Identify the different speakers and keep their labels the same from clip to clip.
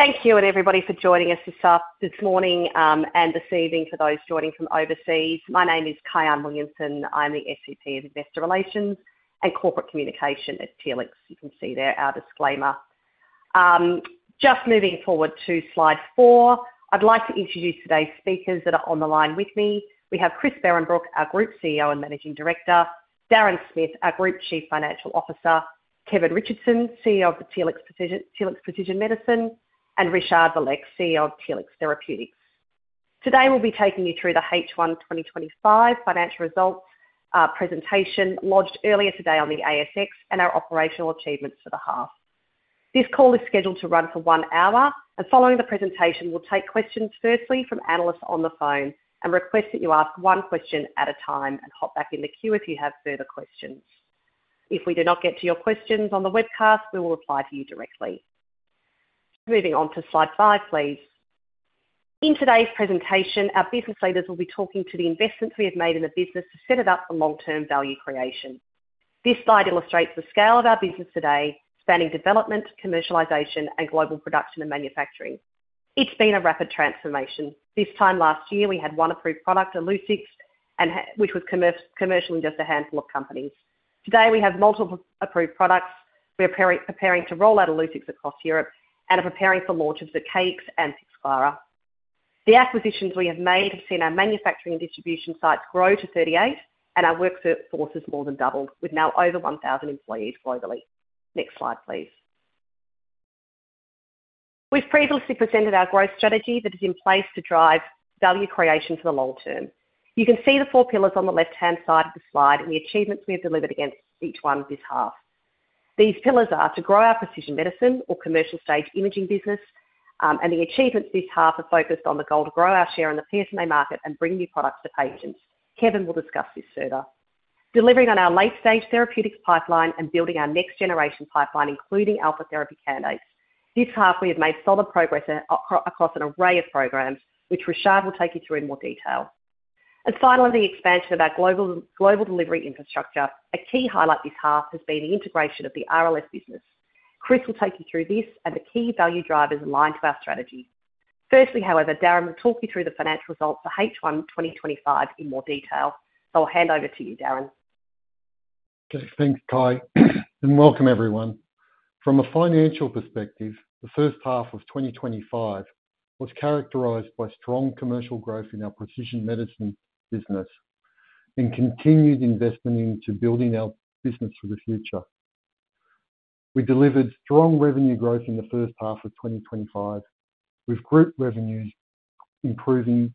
Speaker 1: Thank you and everybody for joining us this morning and this evening. For those joining from overseas, my name is Kyahn Williamson. I'm the SVP of Investor Relations and Corporate Communication at Telix Pharmaceuticals. You can see there our disclaimer. Just moving forward to slide four, I'd like to introduce today's speakers that are on the line. With me we have Dr. Christian Behrenbruch, our Group CEO and Managing Director, Darren Smith, our Group Chief Financial Officer, Kevin Richardson, CEO of Telix Precision Medicine, and Richard Valeix, CEO of Telix Therapeutics. Today we'll be taking you through the H1 2025 financial results presentation lodged earlier today on the ASX and our operational achievements for the half. This call is scheduled to run for one hour and following the presentation we'll take questions firstly from analysts on the phone and request that you ask one question at a time and hop back in the queue if you have further questions. If we do not get to your questions on the webcast, we will reply to you directly. Moving to slide 5, please. In today's presentation, our business leaders will be talking to the investments we have made in the business to set it up for long-term value creation. This slide illustrates the scale of our business today spanning development, commercialization, and global production and manufacturing. It's been a rapid transformation. This time last year we had one approved product, Illuccix, which was commercial in just a handful of countries. Today we have multiple approved products. We are preparing to roll out Illuccix across Europe and are preparing for launch of Zircaix and Pixclara. The acquisitions we have made have seen our manufacturing and distribution sites grow to 38 and our workforce has more than doubled with now over 1,000 employees globally. Next slide please. We've previously presented our growth strategy that is in place to drive value creation for the long term. You can see the four pillars on the left-hand side of the slide and the achievements we have delivered against each one. This half, these pillars are to grow our Precision Medicine or commercial stage imaging business. The achievements this half are focused on the goal to grow our share in the PSMA market and bring new products to patients. Kevin will discuss this further. Delivering on our late-stage therapeutics pipeline and building our next generation pipeline including alpha therapies candidates. This half we have made solid progress across an array of programs which Richard will take you through in more detail. Finally, the expansion of our global delivery infrastructure. A key highlight this half has been the integration of the RLS business. Chris will take you through this and the key value drivers in line to our strategy. However, Darren will talk you through the financial results for H1 2025 in more detail, so I'll hand over to you Darren.
Speaker 2: Thanks Kai and welcome everyone. From a financial perspective, the first half of 2025 was characterized by strong commercial growth in our Precision Medicine business and continued investment into building our business for the future. We delivered strong revenue growth in the first half of 2025 with group revenues improving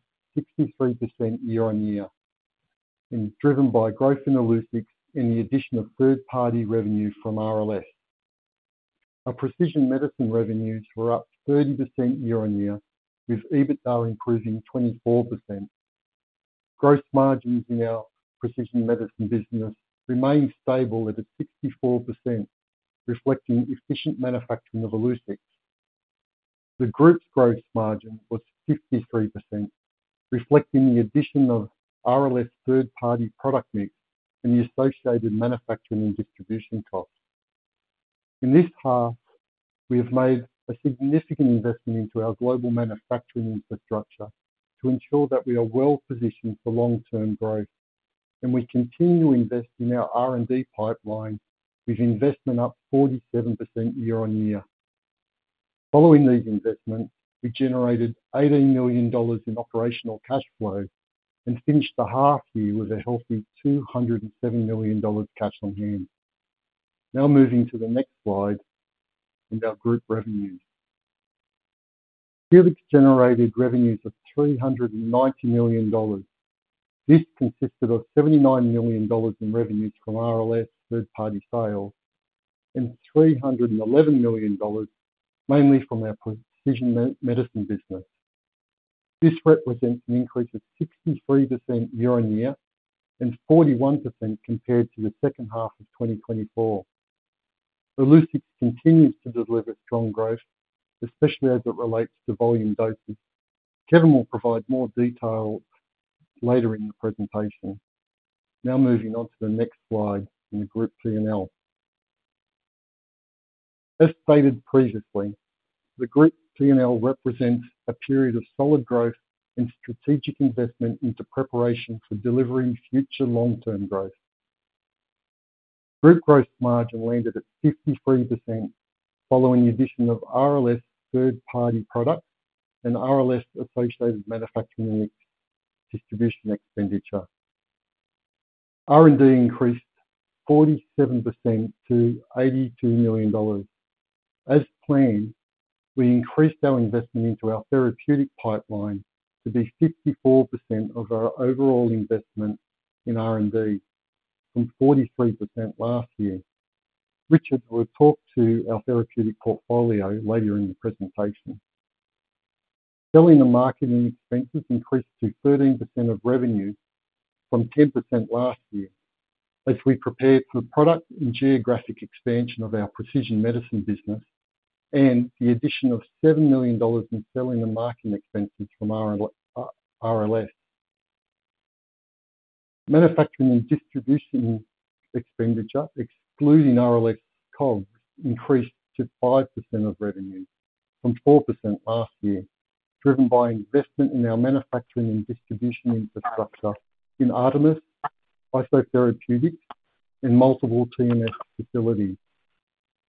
Speaker 2: 63% year on year and driven by growth in Illuccix and the addition of third party revenue from RLS. Our Precision Medicine revenues were up 30% year on year with EBITDA improving 24%. Gross margins in our Precision Medicine business remained stable at 64%, reflecting efficient manufacturing of Illuccix. The group's gross margin was 53%, reflecting the addition of RLS third party product mix and the associated manufacturing and distribution costs. In this half, we have made a significant investment into our global manufacturing infrastructure to ensure that we are well positioned for long term growth, and we continue to invest in our R&D pipeline with investment up 47% year on year. Following these investments, we generated $18 million in operational cash flow and finished the half year with a healthy $207 million cash on hand. Now moving to the next slide and our group revenues. Telix generated revenues of $390 million. This consisted of $79 million in revenues from RLS third party sales and $311 million mainly from our precision medicine business. This represents an increase of 63% year on year and 41% compared to the second half of 2024. Illuccix continues to deliver strong growth, especially as it relates to volume dosage. Kevin will provide more detail later in the presentation. Now moving on to the next slide in the group P&L. As stated previously, the group P&L represents a period of solid growth and strategic investment into preparation for delivering future long term growth. Group gross margin landed at 53% following the addition of RLS third party products and RLS associated manufacturing distribution expenditure. R&D increased 47% to $82 million. As planned, we increased our investment into our therapeutic pipeline to be 54% of our overall investment in R&D from 43% last year. Richard will talk to our therapeutic portfolio later in the presentation. Selling and marketing expenses increased to 13% of revenue from 10% last year as we prepared for product and geographic expansion of our Precision Medicine business and the addition of $7 million in selling and marketing expenses from RLS. Manufacturing and distribution expenditure excluding RLS COGS increased to 5% of revenue from 4% last year, driven by investment in our manufacturing and distribution infrastructure in ARTMS, IsoTherapeutics, and multiple TMS facilities.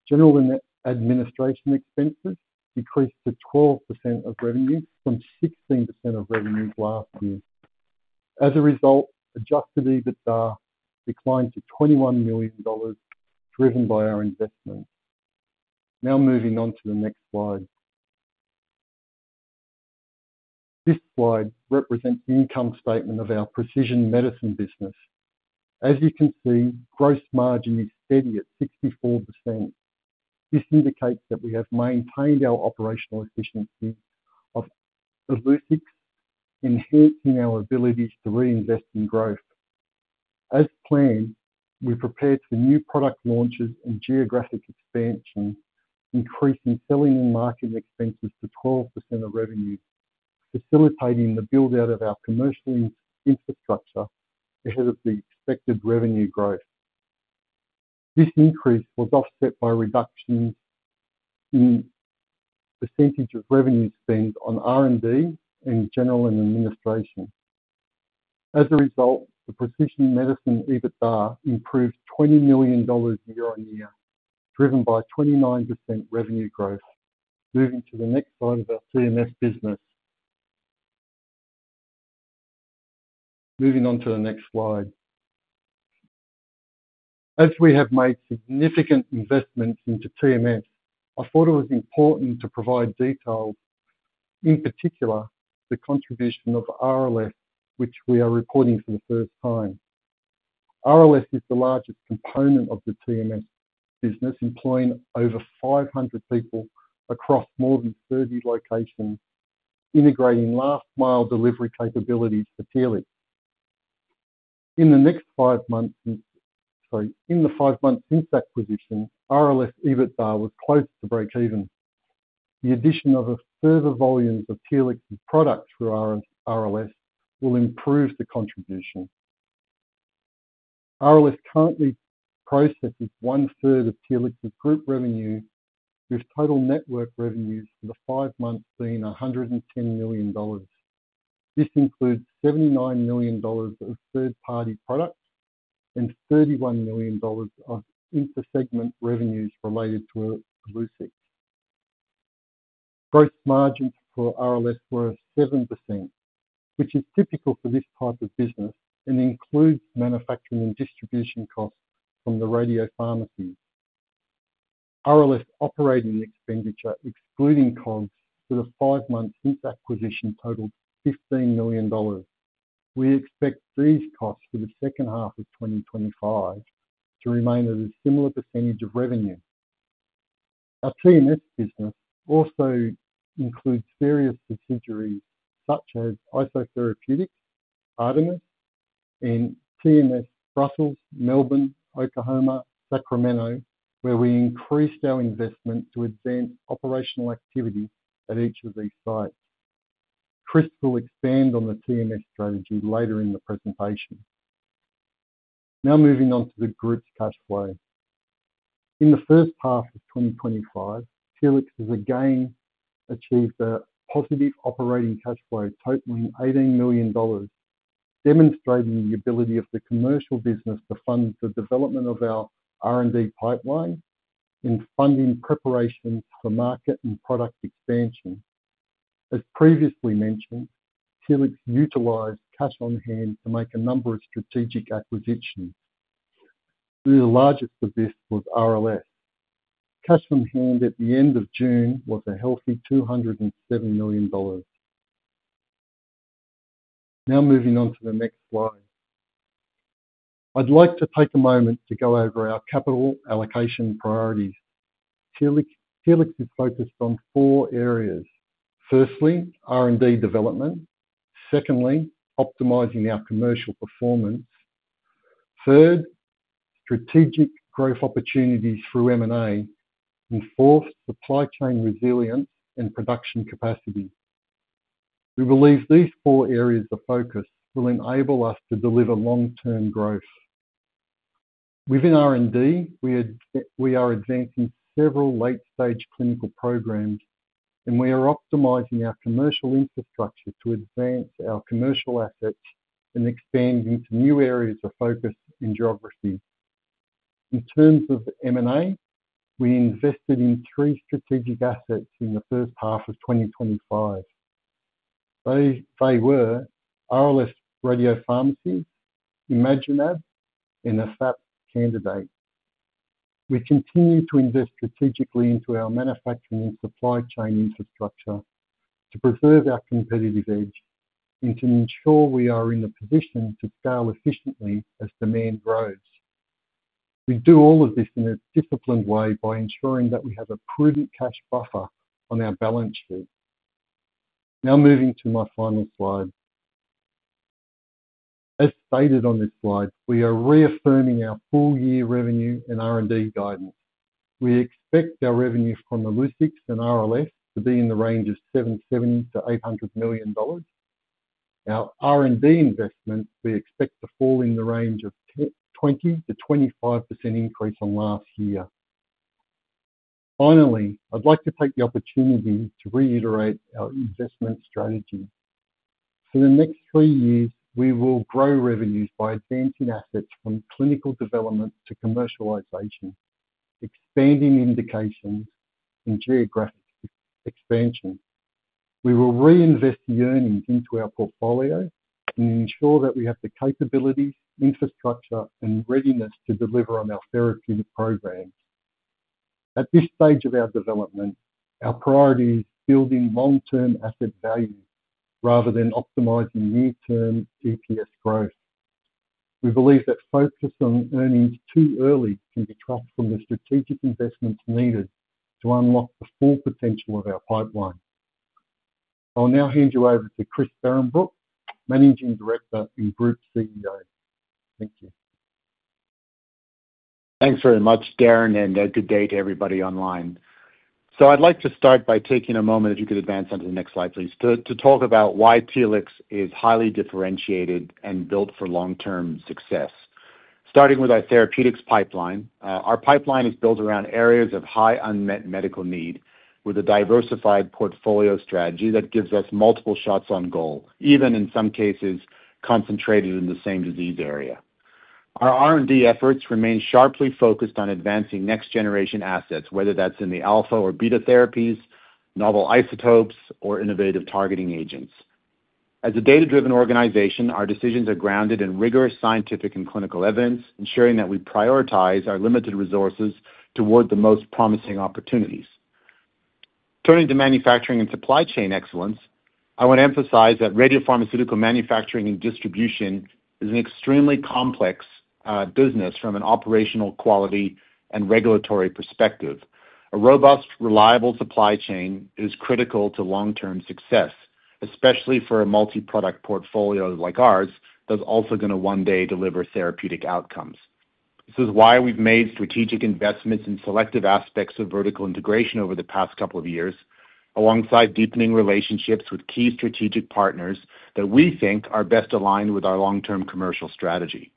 Speaker 2: General administration expenses decreased to 12% of revenue from 16% of revenue last year. As a result, adjusted EBITDA declined to $21 million, driven by our investment. Now moving on to the next slide. This slide represents the income statement of our Precision Medicine business. As you can see, gross margin is steady at 64%. This indicates that we have maintained our operational efficiency of Illuccix, enhancing our abilities to reinvest in growth. As planned, we prepared for new product launches and geographic expansion, increasing selling and marketing expenses to 12% of revenue, facilitating the build out of our commercial infrastructure ahead of the expected revenue growth. This increase was offset by reduction in percentage of revenue spend on R&D and general and administration. As a result, the Precision Medicine EBITDA improved $20 million year on year, driven by 29% revenue growth. Moving to the next line of our TMS business. Moving on to the next slide. As we have made significant investments into TMS, I thought it was important to provide detail, in particular the contribution of RLS, which we are reporting for the first time. RLS is the largest component of the TMS business, employing over 500 people across more than 30 locations, integrating last mile delivery capabilities for Telix in the next five months. In the five months since acquisition, RLS EBITDA was close to break even. The addition of further volumes of Telix's products through RLS will improve the contribution. RLS currently processes one third of Telix Group revenue, with total network revenue for the five months being $110 million. This includes $79 million of third party products and $31 million of intersegment revenues related to Illuccix. Gross margins for RLS were 7%, which is typical for this type of business and includes manufacturing and distribution costs from the radiopharmacy. RLS operating expenditure excluding certain costs for the five months since acquisition totaled $15 million. We expect these costs for the second half of 2025 to remain at a similar % of revenue. Our TMS business also includes various subsidiaries such as IsoTherapeutics, ARTMS, and TMS Brussels, Melbourne, Oklahoma, Sacramento, where we increased our investment to advance operational activity at each of these sites. Chris will expand on the TMS strategy later in the presentation. Now moving on to the group's cash flow in the first half of 2025, Telix has again achieved a positive operating cash flow totaling $18 million, demonstrating the ability of the commercial business to fund the development of our R&D pipeline in funding preparations for market and product expansion. As previously mentioned, Telix utilized cash on hand to make a number of strategic acquisitions. The largest of this was RLS. Cash on hand at the end of June was a healthy $207 million. Now moving on to the next slide, I'd like to take a moment to go over our capital allocation priorities. Telix is focused on four areas. Firstly, R&D development. Secondly, optimizing our commercial performance. Third, strategic growth opportunities through M&A and fourth, supply chain resilience and production capacity. We believe these four areas of focus will enable us to deliver long term growth. Within R&D, we are advancing several late stage clinical programs and we are optimizing our commercial infrastructure to advance our commercial assets and expand into new areas of focus in geography. In terms of M&A, we invested in three strategic assets in the first half of 2025. They were RLS, Radiopharmacy, ImaginAb, and a FAP candidate. We continue to invest strategically into our manufacturing and supply chain infrastructure to preserve our competitive edge and to ensure we are in the position to scale efficiently as demand grows. We do all of this in a disciplined way by ensuring that we have a prudent cash buffer on our balance sheet. Now moving to my final slide. As stated on this slide, we are reaffirming our full year revenue and R&D guidance. We expect our revenue from Illuccix and RLS to be in the range of $770-$800 million. Our R&D investment, we expect to fall in the range of 20%-25% increase on last year. Finally, I'd like to take the opportunity to reiterate our investment strategy. For the next three years we will grow revenues by advancing assets from clinical development to commercialization, expanding indications and geographic expansion. We will reinvest the earnings into our portfolio and ensure that we have the capabilities, infrastructure, and readiness to deliver on our therapeutic program. At this stage of our development, our priority is building long-term asset value rather than optimizing near-term EPS growth. We believe that focusing on earnings too early can cut from the strategic investments needed to unlock the full potential of our pipeline. I'll now hand you over to Chris Behrenbruch, Managing Director and Group CEO. Thank you.
Speaker 3: Thanks very much Darren and good day to everybody online. I'd like to start by taking a moment, if you could advance onto the next slide please, to talk about why Telix is highly differentiated and built for long term success. Starting with our therapeutics pipeline, our pipeline is built around areas of high unmet medical need with a diversified portfolio strategy that gives us multiple shots on goal, even in some cases concentrated in the same disease area. Our R&D efforts remain sharply focused on advancing next generation assets, whether that's in the alpha or beta therapies, novel isotopes or innovative targeting agents. As a data driven organization, our decisions are grounded in rigorous scientific and clinical evidence, ensuring that we prioritize our limited resources toward the most promising opportunities. Turning to manufacturing and supply chain excellence, I want to emphasize that radiopharmaceutical manufacturing and distribution is an extremely complex business. From an operational, quality, and regulatory perspective, a robust, reliable supply chain is critical to long term success, especially for a multi product portfolio like ours that's also going to one day deliver therapeutic outcomes. This is why we've made strategic investments in selective aspects of vertical integration over the past couple of years alongside deepening relationships with key strategic partners that we think are best aligned with our long term commercial strategy.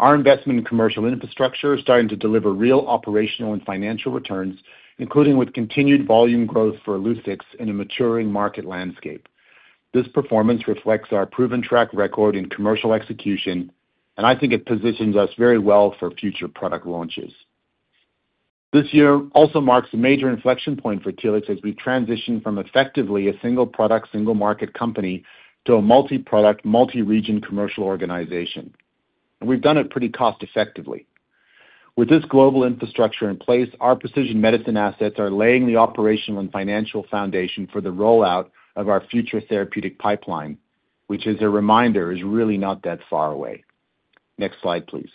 Speaker 3: Our investment in commercial infrastructure is starting to deliver real operational and financial returns, including with continued volume growth for Illuccix in a maturing market landscape. This performance reflects our proven track record in commercial execution and I think it positions us very well for future product launches. This year also marks a major inflection point for Telix as we transition from effectively a single product, single market company to a multi product, multi region commercial organization. We've done it pretty cost effectively. With this global infrastructure in place, our Precision Medicine assets are laying the operational and financial foundation for the rollout of our future therapeutic pipeline, which as a reminder is really not that far away. Next slide, please.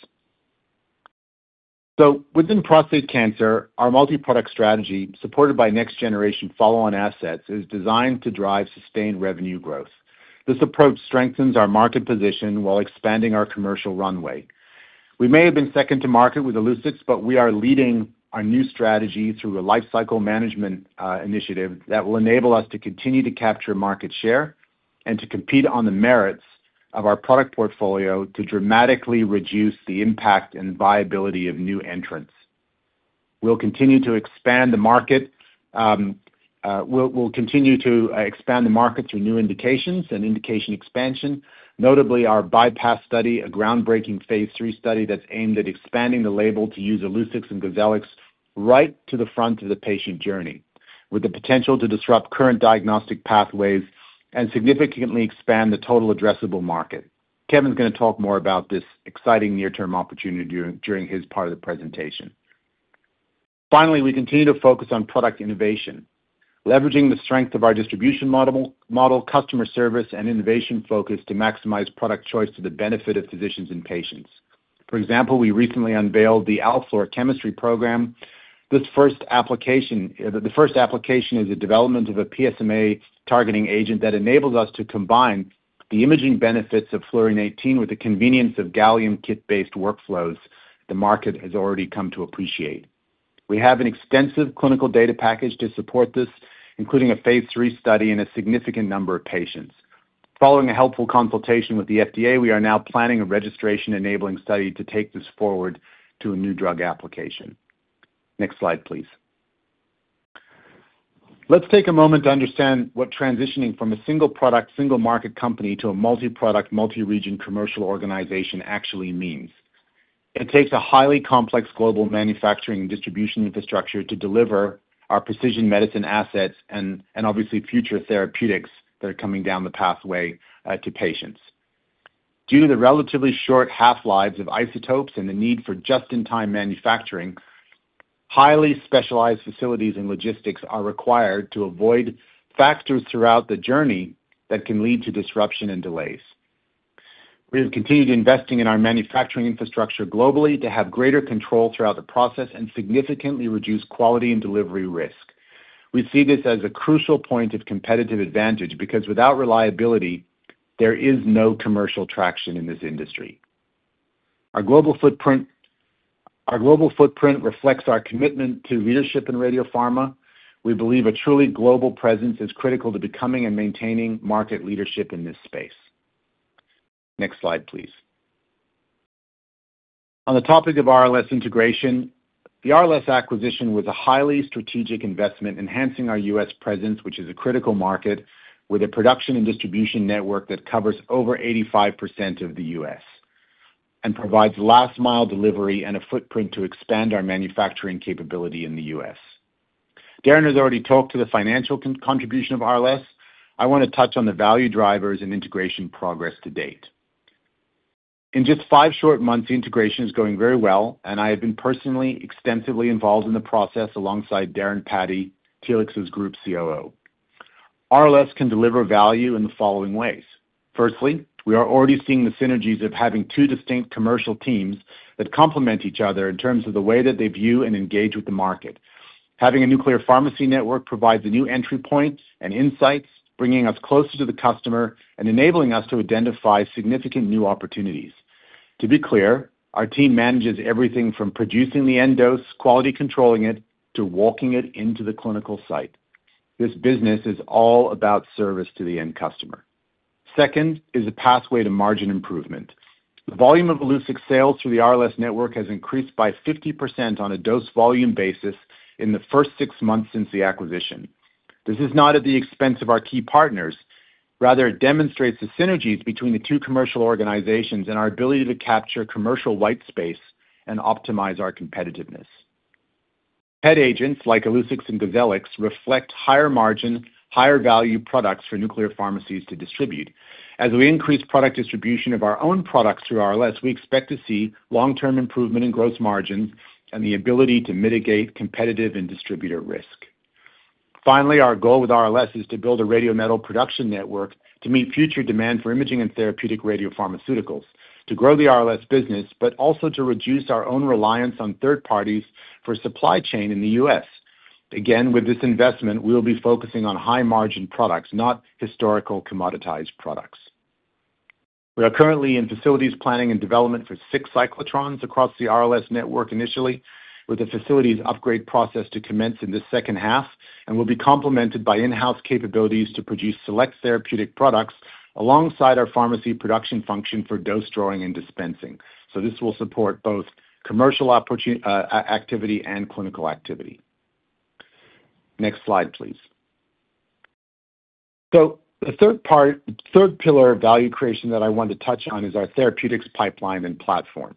Speaker 3: Within prostate cancer, our multi-product strategy supported by next generation follow-on assets is designed to drive sustained revenue growth. This approach strengthens our market position while expanding our commercial runway. We may have been second to market with Illuccix, but we are leading our new strategy through a life cycle management initiative that will enable us to continue to capture market share and to compete on the merits of our product portfolio. To dramatically reduce the impact and viability of new entrants, we'll continue to expand the market. We'll Continue to expand the market through new indications and indication expansion. Notably, our BiPASS study, a groundbreaking phase three study that's aimed at expanding the label to use Illuccix and Gozellix right to the front of the patient journey with the potential to disrupt current diagnostic pathways and significantly expand the total addressable market. Kevin's going to talk more about this exciting near term opportunity during his part of the presentation. Finally, we continue to focus on product innovation, leveraging the strength of our distribution model, customer service, and innovation focus to maximize product choice to the benefit of physicians and patients. For example, we recently unveiled the AlFluor Chemistry program. The first application is the development of a PSMA targeting agent that enables us to combine the imaging benefits of fluorine-18 with the convenience of gallium kit-based workflows the market has already come to appreciate. We have an extensive clinical data package to support this, including a phase three study and a significant number of patients. Following a helpful consultation with the FDA, we are now planning a registration enabling study to take this forward to a new drug application. Next slide please. Let's take a moment to understand what transitioning from a single product, single market company to a multi-product, multi-region commercial organization actually means. It takes a highly complex global manufacturing and distribution infrastructure to deliver our Precision Medicine assets and obviously future therapeutics that are coming down the pathway to patients. Due to the relatively short half-lives of isotopes and the need for just-in-time manufacturing, highly specialized facilities and logistics are required to avoid factors throughout the journey that can lead to disruption and delays. We have continued investing in our manufacturing infrastructure globally to have greater control throughout the process and significantly reduce quality and delivery risk. We see this as a crucial point of competitive advantage because without reliability there is no commercial traction in this industry. Our global footprint reflects our commitment to leadership in radiopharma. We believe a truly global presence is critical to becoming and maintaining market leadership in this space. Next slide please. On the topic of RLS integration, the RLS acquisition was a highly strategic investment enhancing our U.S. presence, which is a critical market with a production and distribution network that covers over 85% of the U.S. and provides last mile delivery and a footprint to expand our manufacturing capability in the U.S. Darren has already talked to the financial contribution of RLS. I want to touch on the value drivers and integration progress to date in just five short months. Integration is going very well, and I have been personally extensively involved in the process alongside Darren Patti, Telix's Group COO. RLS can deliver value in the following ways. Firstly, we are already seeing the synergies of having two distinct commercial teams that complement each other in terms of the way that they view and engage with the market. Having a nuclear pharmacy network provides a new entry point and insights, bringing us closer to the customer and enabling us to identify significant new opportunities. To be clear, our team manages everything from producing the end dose quality, controlling. Walking it into the clinical site. This business is all about service to the end customer. Second is a pathway to margin improvement. The volume of Illuccix sales through the RLS network has increased by 50% on a dose volume basis in the first six months since the acquisition. This is not at the expense of our key partners, rather it demonstrates the synergies between the two commercial organizations and our ability to capture commercial white space and optimize our competitiveness. PET agents like Illuccix and Gozellix reflect higher margin, higher value products for nuclear pharmacies to distribute. As we increase product distribution of our own products through RLS, we expect to see long term improvement in gross margins and the ability to mitigate competitive and distributor risk. Finally, our goal with RLS is to build a radio metal production network to meet future demand for imaging and therapeutic radiopharmaceuticals to grow the RLS business, but also to reduce our own reliance on third parties for supply chain in the U.S. With this investment we will be focusing on high margin products, not historical commoditized products. We are currently in facilities planning and development for six cyclotrons across the RLS network initially, with the facilities upgrade process to commence in the second half and will be complemented by in-house capabilities to produce select therapeutic products alongside our pharmacy production function for dose drawing and dispensing. This will support both commercial activity and clinical activity. Next slide please. The third part, third pillar of. Value creation that I want to touch on is our therapeutics pipeline and platform.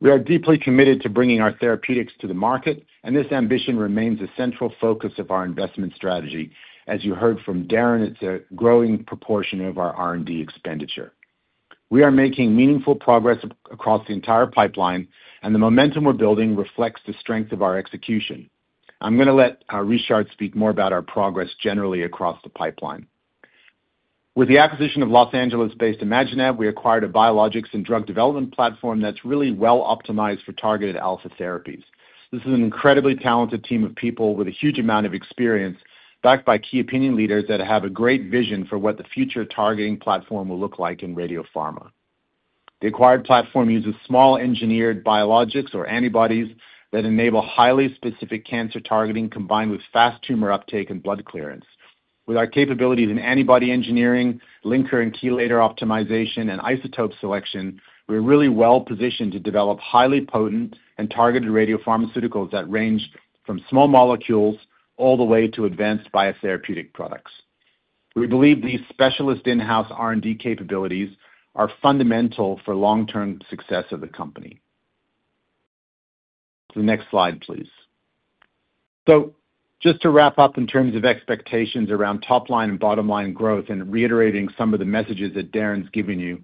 Speaker 3: We are deeply committed to bringing our therapeutics to the market and this ambition remains a central focus of our investment strategy. As you heard from Darren, it's a growing proportion of our R&D expenditure. We are making meaningful progress across the entire pipeline and the momentum we're building reflects the strength of our execution. I'm going to let Richard speak more about our progress generally across the pipeline. With the acquisition of Los Angeles-based ImaginAb, we acquired a biologics and drug development platform that's really well optimized for targeted alpha therapies. This is an incredibly talented team of people with a huge amount of experience, backed by key opinion leaders that have a great vision for what the future targeting platform will look like in radiopharma. The acquired platform uses small engineered biologics or antibodies that enable highly specific cancer targeting combined with fast tumor uptake and blood clearance. With our capabilities in antibody engineering, linker and chelator optimization, and isotope selection, we're really well positioned to develop highly potent and targeted radiopharmaceuticals that range from small molecules all the way to advanced biotherapeutic products. We believe these specialist in-house R&D capabilities are fundamental for long-term success of the company. Next slide please. Just to wrap up in terms of expectations around top line and bottom line growth and reiterating some of the messages that Darren's given you.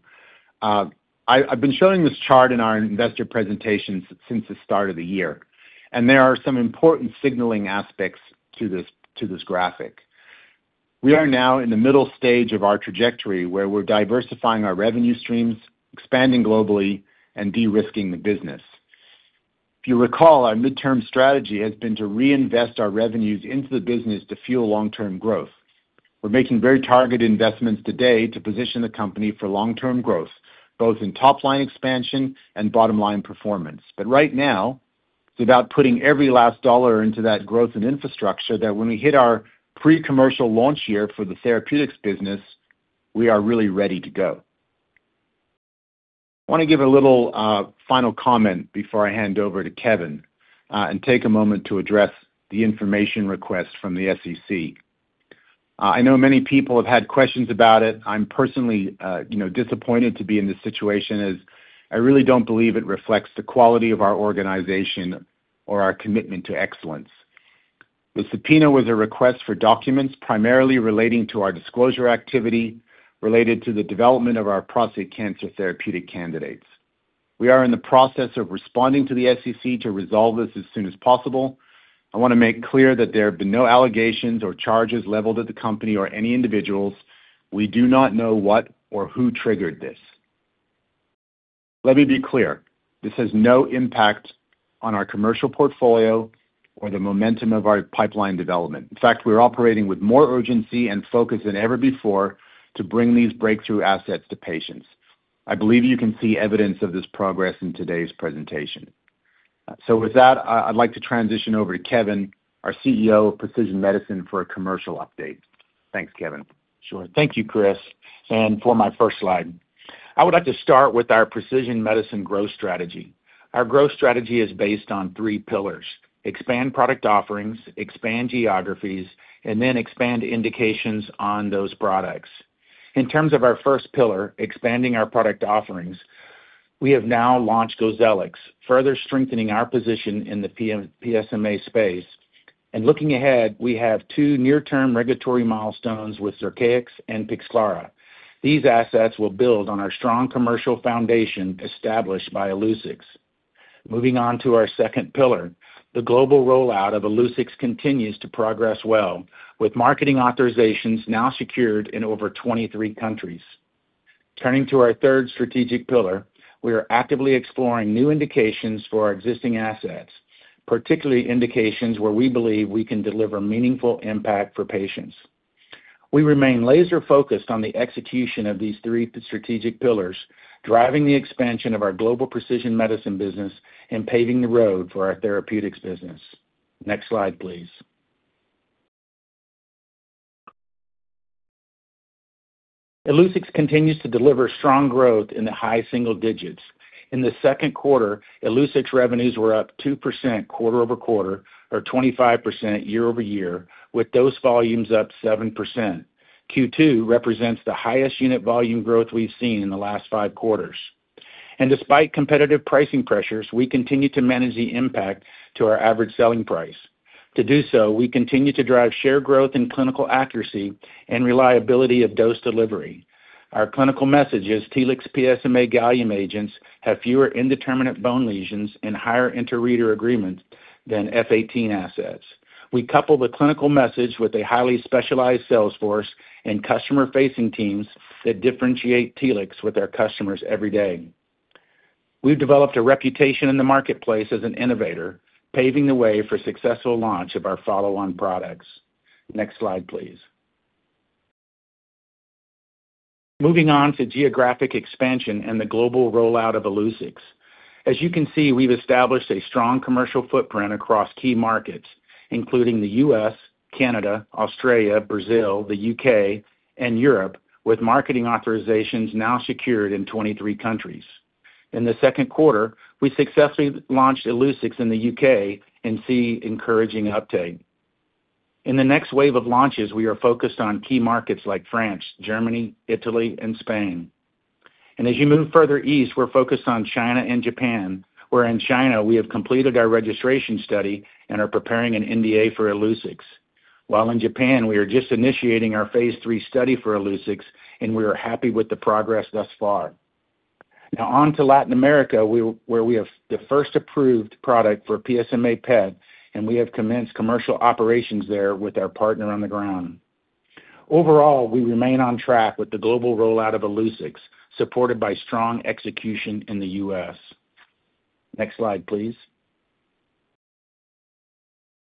Speaker 3: I've been showing this chart in our investor presentations since the start of the year and there are some important signaling aspects to this, to this graphic. We are now in the middle stage of our trajectory where we're diversifying our revenue streams, expanding globally, and de-risking the business. You recall our midterm strategy has been to reinvest our revenues into the business to fuel long-term growth. We're making very targeted investments today to position the company for long-term growth both in top line expansion and bottom line performance. Right now it's about putting every last dollar into that growth and infrastructure that when we hit our pre-commercial launch year for the therapeutics business, we are really ready to go. I want to give a little final comment before I hand over to Kevin and take a moment to address the information request from the SEC. I know many people have had questions about it. I'm personally disappointed to be in this situation as I really don't believe it reflects the quality of our organization or our commitment to excellence. The subpoena was a request for documents primarily relating to our disclosure activity related to the development of our prostate cancer therapeutic candidates. We are in the process of responding to the SEC to resolve this as soon as possible. I want to make clear that there have been no allegations or charges leveled at the company or any individuals. We do not know what or who triggered this. Let me be clear, this has no impact on our commercial portfolio or the momentum of our pipeline development. In fact, we're operating with more urgency and focus than ever before to bring these breakthrough assets to patients. I believe you can see evidence of this progress in today's presentation. With that, I'd like to transition over to Kevin, our CEO of Precision Medicine, for a commercial update. Thanks, Kevin.
Speaker 4: Sure. Thank you, Chris. For my first slide, I would like to start with our Precision Medicine growth strategy. Our growth strategy is based on three: expand product offerings, expand geographies, and then expand indications on those products. In terms of our first pillar, expanding our product offerings, we have now launched Gozellix, further strengthening our position in the PSMA space. Looking ahead, we have two near-term regulatory milestones with Zircaix and Pixclara. These assets will build on our strong commercial foundation established by Illuccix. Moving on to our second pillar, the global rollout of Illuccix continues to progress well with marketing authorizations now secured in over 23 countries. Turning to our third strategic pillar, we are actively exploring new indications for our existing assets, particularly indications where we believe we can deliver meaningful impact for patients. We remain laser focused on the execution of these three strategic pillars, driving the expansion of our global Precision Medicine business and paving the road for our therapeutics business. Next slide please. Illuccix continues to deliver strong growth in the high single digits. In the second quarter, Illuccix revenues were up 2% quarter-over- quarter or 25% year-over-year with dose volumes up 7%. Q2 represents the highest unit volume growth we've seen in the last five quarters, and despite competitive pricing pressures, we continue to manage the impact to our average selling price. To do so, we continue to drive share growth in clinical accuracy and reliability of dose delivery. Our clinical message is Telix PSMA gallium agents have fewer indeterminate bone lesions and higher interreader agreement than F18 assets. We couple the clinical message with a highly specialized sales force and customer-facing teams that differentiate Telix with their customers every day. We've developed a reputation in the marketplace as an innovator, paving the way for successful launch of our follow-on products. Next slide please. Moving on to geographic expansion and the global rollout of Illuccix. As you can see, we've established a strong commercial footprint across key markets, including the U.S., Canada, Australia, Brazil, the U.K., and Europe, with marketing authorizations now secured in 23 countries. In the second quarter, we successfully launched Illuccix in the U.K. and see encouraging uptake in the next wave of launches. We are focused on key markets like France, Germany, Italy, and Spain, and as you move further east, we're focused on China and Japan, where in China we have completed our registration study and are preparing an NDA for Illuccix, while in Japan we are just initiating our phase 3 study for Illuccix, and we are happy with the progress thus far. Now on to Latin America, where we have the first approved product for PSMA PET, and we have commenced commercial operations there with our partner on the ground. Overall, we remain on track with the global rollout of Illuccix, supported by strong execution in the U.S. Next slide please.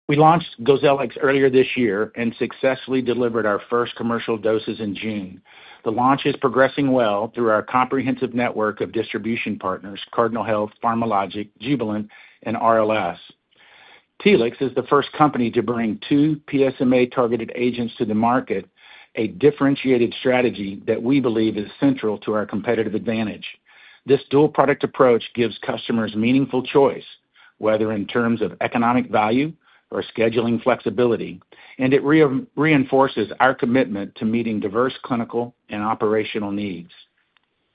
Speaker 4: We launched Gozellix earlier this year and successfully delivered our first commercial doses in June. The launch is progressing well through our comprehensive network of distribution partners: Cardinal Health, PharmaLogic, Jubilant, and RLS. Telix is the first company to bring two PSMA-targeted agents to the market, a differentiated strategy that we believe is central to our competitive advantage. This dual product approach gives customers meaningful choice, whether in terms of economic value or scheduling flexibility, and it reinforces our commitment to meeting diverse clinical and operational needs.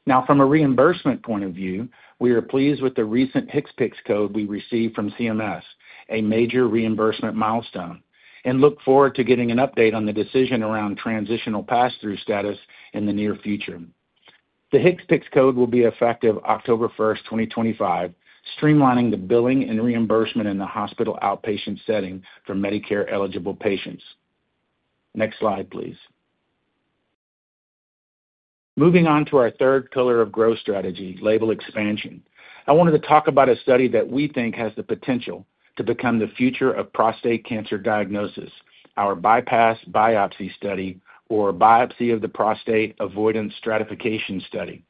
Speaker 4: Now, from a reimbursement point of view, we are pleased with the recent HCPCS code we received from CMS, a major reimbursement milestone, and look forward to getting an update on the decision around transitional pass-through status in the near future. The HCPCS code will be effective October 1, 2025, streamlining the billing and reimbursement in the hospital outpatient setting for Medicare-eligible patients. Next slide please. Moving on to our third pillar of growth strategy, label expansion, I wanted to talk about a study that we think has the potential to become the future of prostate cancer diagnosis. Our BiPASS Biopsy Study, or Biopsy of the Prostate Avoidance Stratification Study.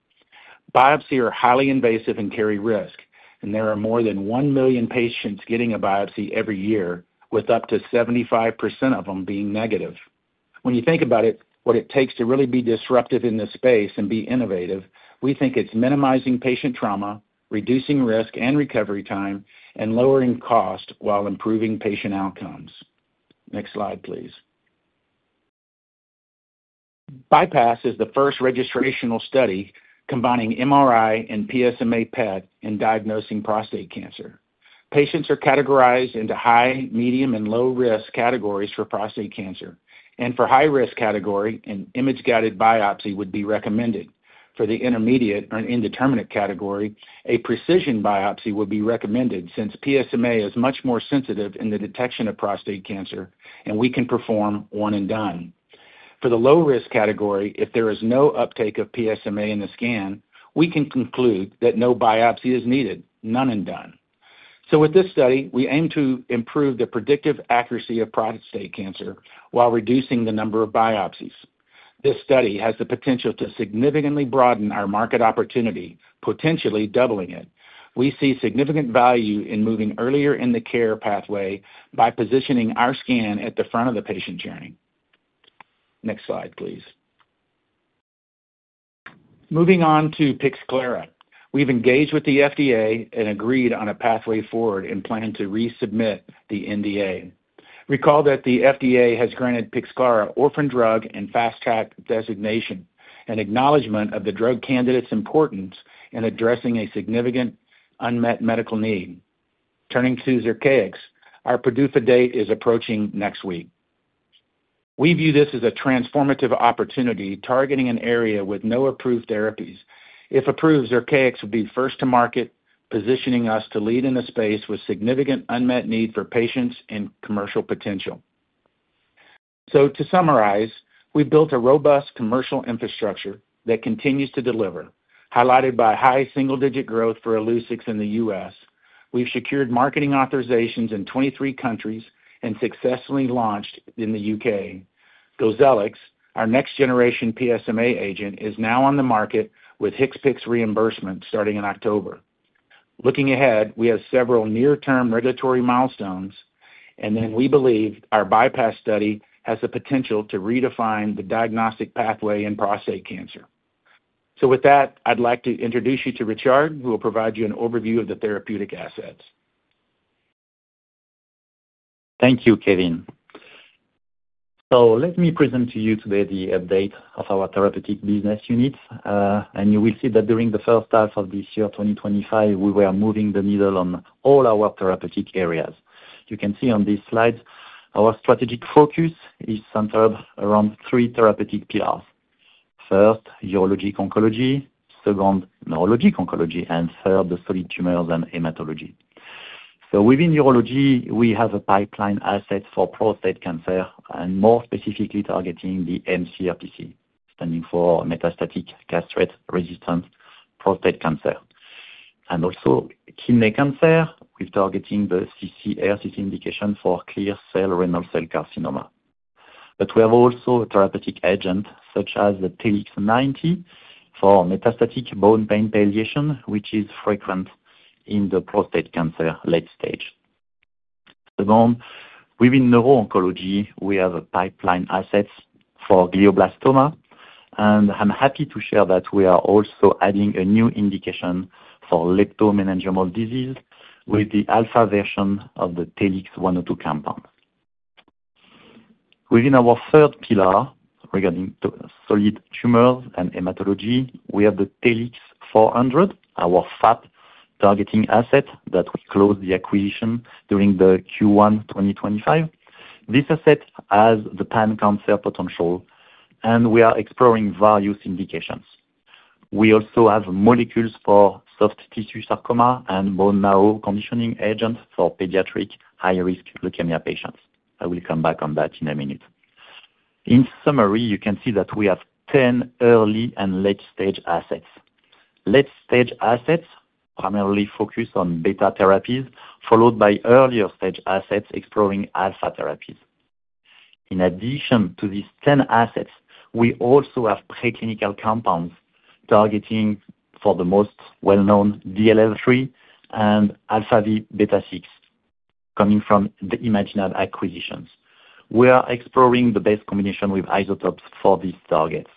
Speaker 4: Biopsy are highly invasive and carry risk, and there are more than 1 million patients getting a biopsy every year, with up to 75% of them being negative. When you think about it, what it takes to really be disruptive in this space and be innovative, we think it's minimizing patient trauma, reducing risk and recovery time, and lowering cost while improving patient outcomes. Next slide please. BiPASS is the first registrational study combining MRI and PSMA PET in diagnosing prostate cancer. Patients are categorized into high, medium, and low risk categories for prostate cancer, and for high risk category, an image guided biopsy would be recommended. For the intermediate or indeterminate category, a precision biopsy would be recommended since PSMA is much more sensitive in the detection of prostate cancer, and we can perform one and done. For the low risk category, if there is no uptake of PSMA in the scan, we can conclude that no biopsy is needed, none and done. With this study, we aim to improve the predictive accuracy of prostate cancer while reducing the number of biopsies. This study has the potential to significantly broaden our market opportunity, potentially doubling it. We see significant value in moving earlier in the care pathway by positioning our scan at the front of the patient journey. Next slide please. Moving on to Pixclara, we've engaged with the FDA and agreed on a pathway forward and plan to resubmit the NDA. Recall that the FDA has granted Pixclara Orphan Drug and Fast Track designation, an acknowledgement of the drug candidate's importance in addressing a significant unmet medical need. Turning to Zircaix, our PDUFA date is approaching next week. We view this as a transformative opportunity targeting an area with no approved therapies. If approved, Zircaix will be first to market, positioning us to lead in a space with significant unmet need for patients and commercial potential. To summarize, we built a robust commercial infrastructure that continues to deliver, highlighted by high single digit growth for Illuccix in the U.S. We've secured marketing authorizations in 23 countries and successfully launched in the U.K.. Gozellix, our next generation PSMA agent, is now on the market with HCPCS reimbursement starting in October. Looking ahead, we have several near term regulatory milestones, and we believe our biPASS study has the potential to redefine the diagnostic pathway in prostate cancer. With that, I'd like to introduce you to Richard, who will provide you an overview of the therapeutic assets.
Speaker 5: Thank you, Kevin. Let me present to you today the update of our therapeutic business unit, and you will see that during the first half of this year, 2025, we were moving the needle on all our therapeutic areas. You can see on this slide our strategic focus is centered around three therapeutic pillars: first, urologic oncology; second, neuro-oncologic oncology; and third, solid tumors and hematology. Within urology, we have a pipeline asset for prostate cancer, more specifically targeting the mCRPC, standing for metastatic castration-resistant prostate cancer, and also kidney cancer with targeting the ccRCC indication for clear cell renal cell carcinoma. We also have a therapeutic agent such as TLX090 for metastatic bone pain palliation, which is frequent in the prostate cancer late stage. Within neuro-oncology, we have pipeline assets for glioblastoma, and I'm happy to share that we are also adding a new indication for leptomeningeal disease with the alpha version of the TLX102 compound. Within our third pillar regarding solid tumors and hematology, we have the TLX400, our FAP targeting asset that closed the acquisition during Q1 2025. This asset has the pan-cancer potential, and we are exploring various indications. We also have molecules for soft tissue sarcoma and bone marrow conditioning agents for pediatric high-risk leukemia patients. I will come back on that in a minute. In summary, you can see that we have 10 early and late-stage assets. Late-stage assets primarily focus on beta therapies, followed by earlier-stage assets exploring alpha therapies. In addition to these 10 assets, we also have preclinical compounds targeting for the most well-known DLL3 and AlphaV Beta 6. Coming from the ImaginAb acquisitions, we are exploring the best combination with isotopes for these targets.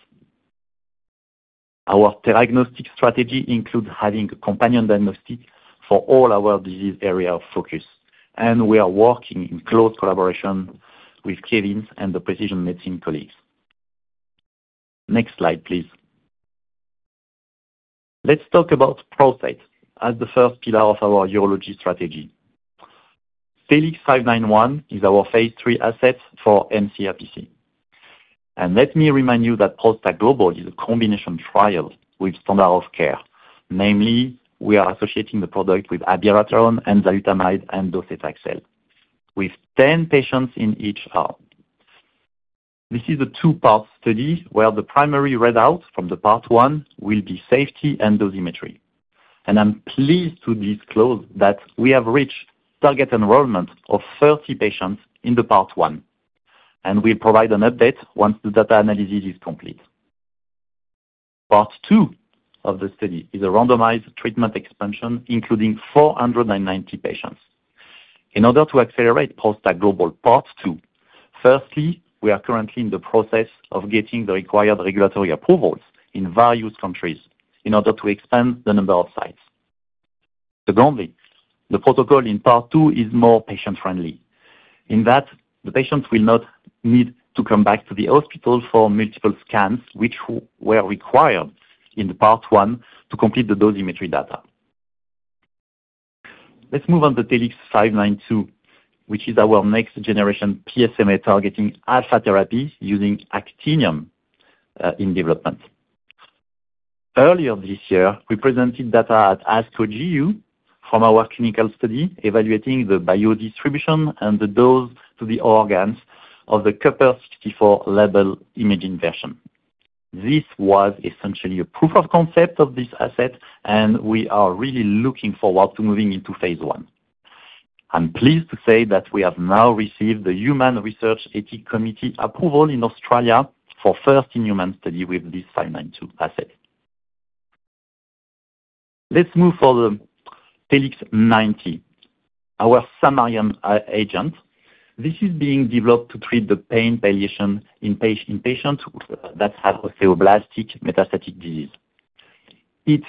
Speaker 5: Our diagnostic strategy includes having a companion diagnostic for all our disease areas of focus, and we are working in close collaboration with Kevin and the Precision Medicine colleagues. Next slide, please. Let's talk about prostate as the first pillar of our urology strategy. TLX591 is our phase three asset for mCRPC, and let me remind you that ProstACT Global is a combination trial with standard of care. Namely, we are associating the product with abiraterone, enzalutamide, and docetaxel, with 10 patients in each arm. This is a two part study where the primary readout from the part one will be safety and dosimetry, and I'm pleased to disclose that we have reached target enrollment of 30 patients in the part one, and we will provide an update once the data analysis is complete. Part two of the study is a randomized treatment expansion including 490 patients in order to accelerate ProstACT Global part two. Firstly, we are currently in the process of getting the required regulatory approvals in various countries in order to expand the number of sites. Secondly, the protocol in part two is more patient friendly in that the patients will not need to come back to the hospital for multiple scans, which were required in the part one to complete the dosimetry data. Let's move on to TLX592, which is our next generation PSMA targeting alpha therapy using Actinium in development. Earlier this year, we presented data at ASCO GU from our clinical study evaluating the biodistribution and the dose to the organs of the copper-64 level imaging version. This was essentially a proof of concept of this asset, and we are really looking forward to moving into phase one. I'm pleased to say that we have now received the Human Research Ethics Committee approval in Australia for first in human study with this 592 asset. Let's move further. TLX090, our Samarium agent, is being developed to treat the pain palliation in patients that have osteoblastic metastatic disease. It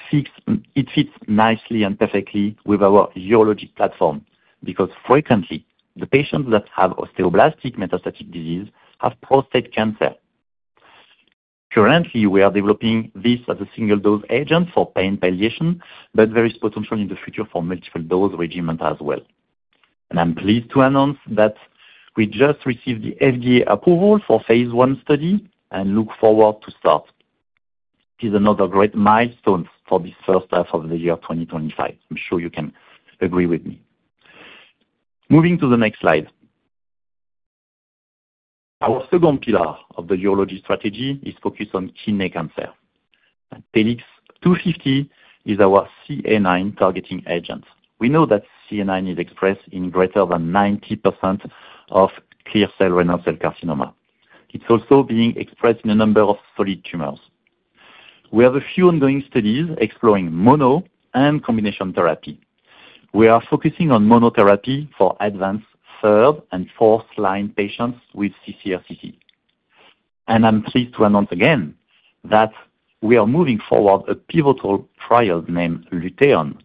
Speaker 5: fits nicely and perfectly with our urologic platform because frequently the patients that have osteoblastic metastatic disease have prostate cancer. Currently, we are developing this as a single dose agent for pain palliation, but there is potential in the future for multiple dose regimen, and I'm pleased to announce that we just received the FDA approval for phase one study and look forward to start. This is another great milestone for this first half of the year 2025. I'm sure you can agree with me. Moving to the next slide, our second pillar of the urology strategy is focused on kidney cancer. TLX250 is our CA-NINE targeting agent. We know that CA-NINE is expressed in greater than 90% of clear cell renal cell carcinoma. It's also being expressed in a number of solid tumors. We have a few ongoing studies exploring mono and combination therapy. We are focusing on monotherapy for advanced third and fourth line patients with ccRCC and I'm thrilled to announce again that we are moving forward a pivotal trial named LUTEON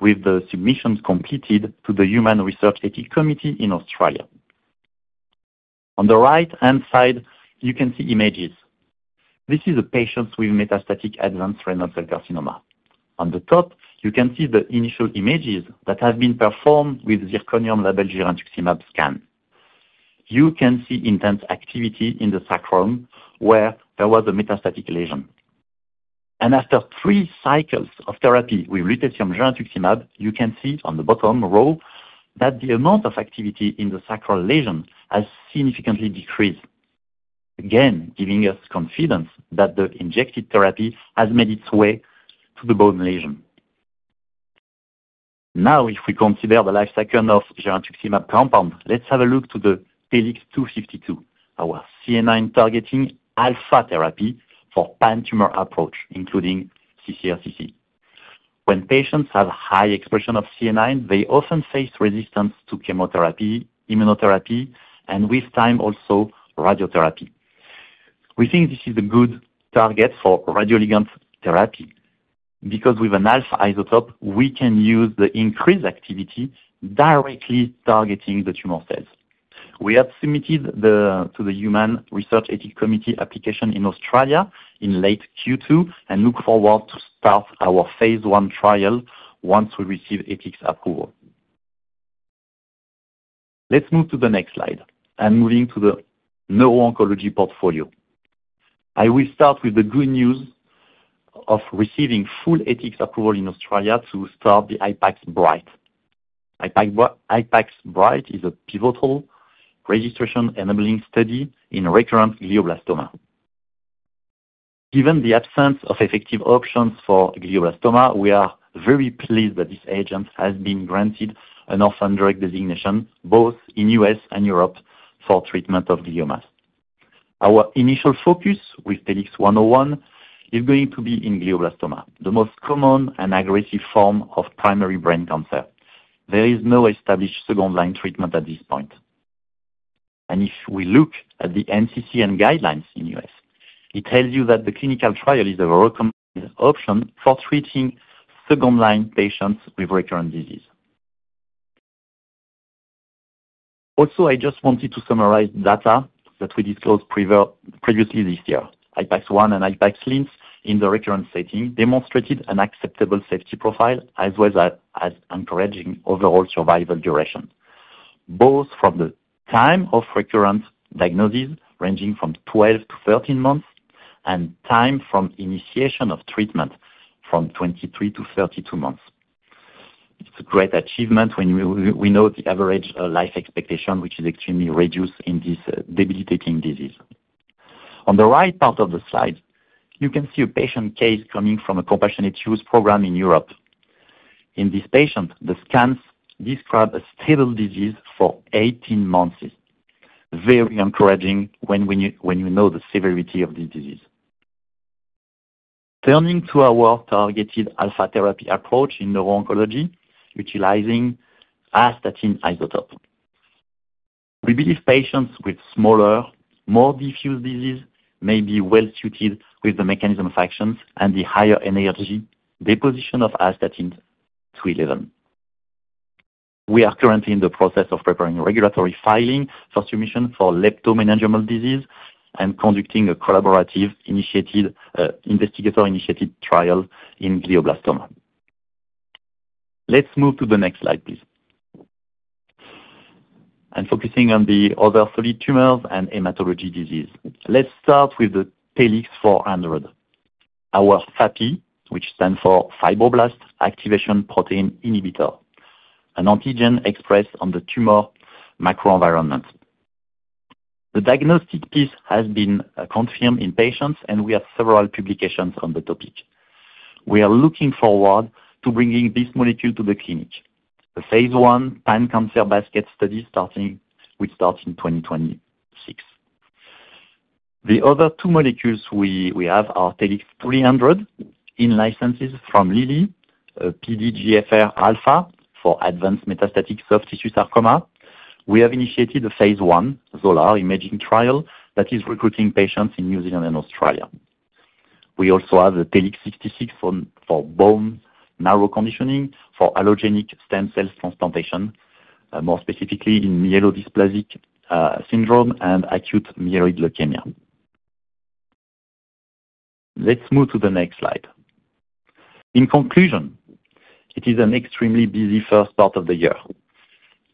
Speaker 5: with the submissions completed to the Human Research Ethics Committee in Australia. On the right hand side you can see images. This is a patient with metastatic advanced renal cell carcinoma. On the top you can see the initial images that have been performed with zirconium labeled girentuximab scan. You can see intense activity in the sacrum where there was a metastatic lesion. After three cycles of therapy with lutetium girentuximab you can see on the bottom row that the amount of activity in the sacral lesion has significantly decreased, giving us confidence that the injected therapy has made its way to the bone lesion. Now if we consider the life cycle of the girentuximab compound, let's have a look to the TLX252, our CA-NINE targeting alpha therapy for pan tumor approach including ccRCC. When patients have high expression of CA-NINE they often face resistance to chemotherapy, immunotherapy, and with time also radiotherapy. We think this is a good target for radioligand therapy because with an alpha isotope we can use the increased activity directly targeting the tumor cells. We have submitted to the Human Research Ethics Committee application in Australia in late Q2 and look forward to start our phase one trial. Once we receive ethics approval, let's move to the next slide and moving to the neuro-oncology portfolio, I will start with the good news of receiving full ethics approval in Australia to start the IPAX BrIGHT. IPAX BrIGHT is a pivotal registration enabling study in recurrent glioblastoma. Given the absence of effective options for glioblastoma, we are very pleased that this agent has been granted an orphan drug designation both in the U.S. and Europe for treatment of glioma. Our initial focus with TLX101 is going to be in glioblastoma, the most common and aggressive form of primary brain cancer. There is no established second line treatment at this point and if we look at the NCCN guidelines in the U.S. it tells you that the clinical trial is a recommended option for treating second line patients with recurrent disease. Also, I just wanted to summarize data that we discussed previously. Previously this year, IPAX-1 and IPAX-Linz in the recurrent setting demonstrated an acceptable safety profile as well as encouraging overall survival duration, both from the time of recurrent diagnosis ranging from 12 to 13 months and time from initiation of treatment from 23 to 32 months. It's a great achievement when we know the average life expectation, which is extremely reduced in this debilitating disease. On the right part of the slide, you can see a patient case coming from a compassionate use program in Europe. In this patient, the scans describe a stable disease for 18 months. Very encouraging when you know the severity of the disease. Turning to our targeted alpha therapy approach in neuro-oncology utilizing astatine isotopes, we believe patients with smaller, more diffuse diseases may be well suited with the mechanism of action and the higher energy deposition of astatine-211. We are currently in the process of preparing a regulatory filing for submission for leptomeningeal disease and conducting a collaborative investigator-initiated trial in glioblastoma. Let's move to the next slide, please, and focus on the other solid tumors and hematology disease. Let's start with the TLX400, our FAP candidate, which stands for fibroblast activation protein inhibitor, an antigen expressed on the tumor microenvironment. The diagnostic piece has been confirmed in patients, and we have several publications on the topic. We are looking forward to bringing this molecule to the clinic. The phase 1 pan-cancer basket study starts in 2026. The other two molecules we have are TLX300, in-licensed from Lilly, PDGFR alpha for advanced metastatic soft tissue sarcoma. We have initiated a phase 1 ZOLAR Imaging trial that is recruiting patients in New Zealand and Australia. We also have TLX66 for bone marrow conditioning for allogeneic stem cell transplantation, more specifically in myelodysplastic syndrome and acute myeloid leukemia. Let's move to the next slide. In conclusion, it is an extremely busy first part of the year.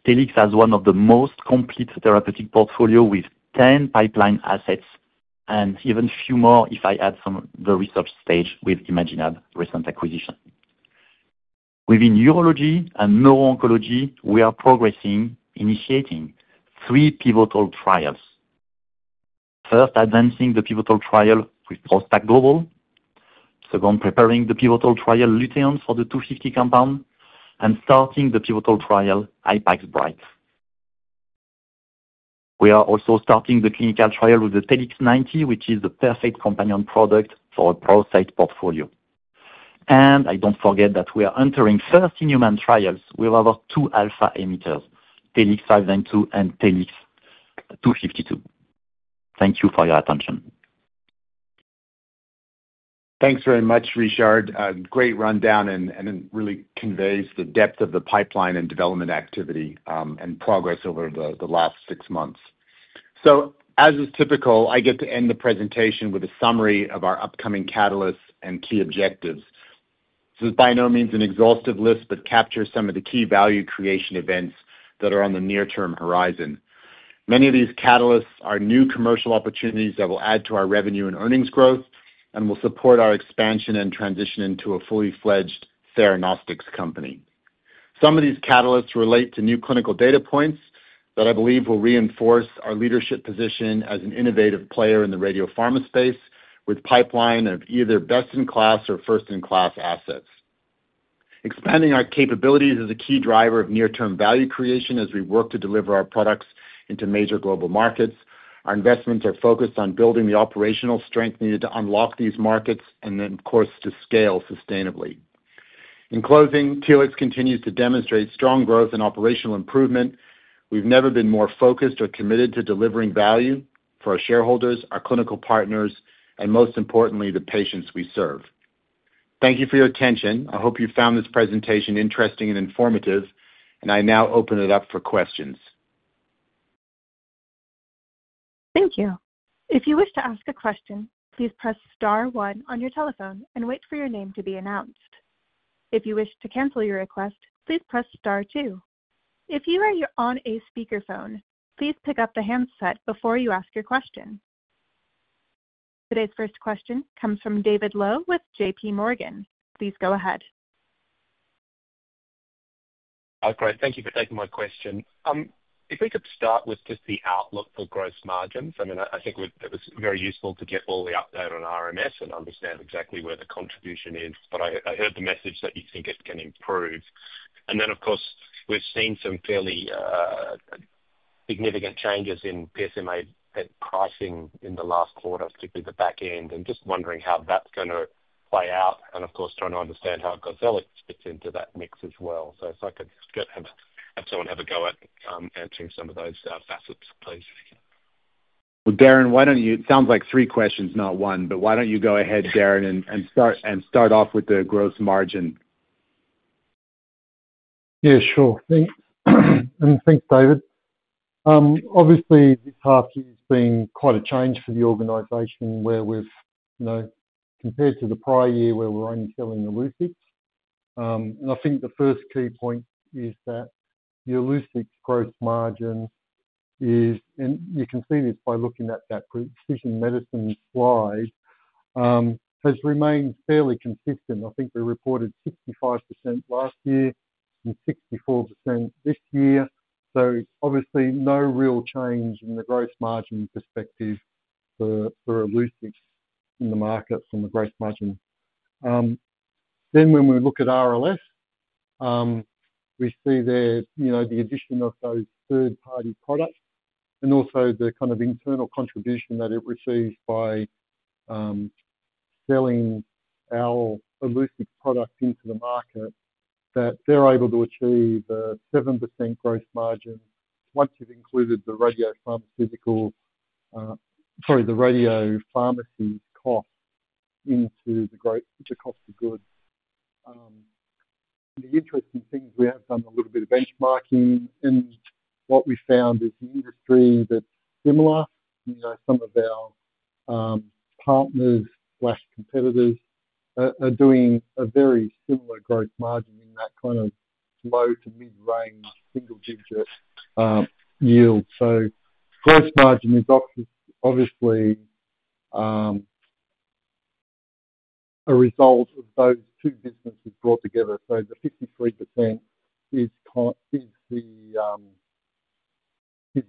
Speaker 5: Telix has one of the most complete therapeutic portfolios with 10 pipeline assets and even a few more if I add from the research stage with ImaginAb recent acquisition. Within urology and neuro-oncology, we are progressing, initiating three pivotal trials. First, advancing the pivotal trial with ProstACT Global. Second, preparing the pivotal trial LUTEON for the TLX250 compound and starting the pivotal trial IPAX-BrIGHT We are also starting the clinical trial with the TLX090, which is the perfect companion product for a ProstACT portfolio. I don't forget that we are entering first-in-human trials with over two alpha emitters, TLX592 and TLX252. Thank you for your attention.
Speaker 3: Thanks very much, Richard. Great rundown and really conveys the depth of the pipeline and development activity and progress over the last six months. As is typical, I get to end the presentation with a summary of our upcoming catalysts and key objectives. This is by no means an exhaustive list, but captures some of the key value creation events that are on the near-term horizon. Many of these catalysts are new commercial opportunities that will add to our revenue and earnings growth and will support our expansion and transition into a fully fledged theranostics company. Some of these catalysts relate to new clinical data points that I believe will reinforce our leadership position as an innovative player in the radiopharmaceutical space with a pipeline of either best-in-class or first-in-class assets. Expanding our capabilities is a key driver of near-term value creation as we work to deliver our products into major global markets. Our investments are focused on building the operational strength needed to unlock these markets and then, of course, to scale sustainably. In closing, Telix continues to demonstrate strong growth and operational improvement. We've never been more focused or committed to delivering value for our shareholders, our clinical partners, and most importantly, the patients we serve. Thank you for your attention. I hope you found this presentation interesting and informative and I now open it up for questions.
Speaker 6: Thank you. If you wish to ask a question, please press Star 1 on your telephone and wait for your name to be announced. If you wish to cancel your request, please press Star 2. If you are on a speakerphone, please pick up the handset before you ask your question. Today's first question comes from David Low with JPMorgan. Please go ahead.
Speaker 7: Great. Thank you for taking my question. If we could start with just the outlook for gross margins. I mean, I think it was very useful to get all the update on RLS and understand exactly where the contribution is. I heard the message that you think it can improve and then of. course, we've seen some fairly significant changes. In PSMA pricing in the last quarter, particularly the back end, just wondering how that's going to play out. Of course, trying to understand how Gozellix fits into that mix as well. If I could have someone have a go at answering some of those facets, please.
Speaker 3: Darren, why don't you. It sounds like three questions, not one. Why don't you go ahead, Darren, and start off with the gross margin.
Speaker 2: Yeah, sure thing and thanks David. Obviously this half has been quite a change for the organization where we've, you know, compared to the prior year where we're only selling Illuccix. I think the first key point is that the Illuccix gross margin is, and you can see this by looking at that Precision Medicine slide, has remained fairly consistent. I think we reported 65% last year and 64% this year. Obviously, no real change in the gross margin perspective for Illuccix in the markets on the gross margin. When we look at RLS, we see there the addition of those third party products and also the kind of internal contribution that it receives by selling our Illuccix product into the market, that they're able to achieve 7% gross margin once you've included the radiopharmacy cost into the cost of goods. The interesting thing, we have done a little bit of benchmarking and what we found is industry, that similar, you know, some of our partners, competitors are doing a very similar gross margin in that kind of low to mid range single digit yield. Gross margin is obviously a result of those two businesses brought together. The 53% is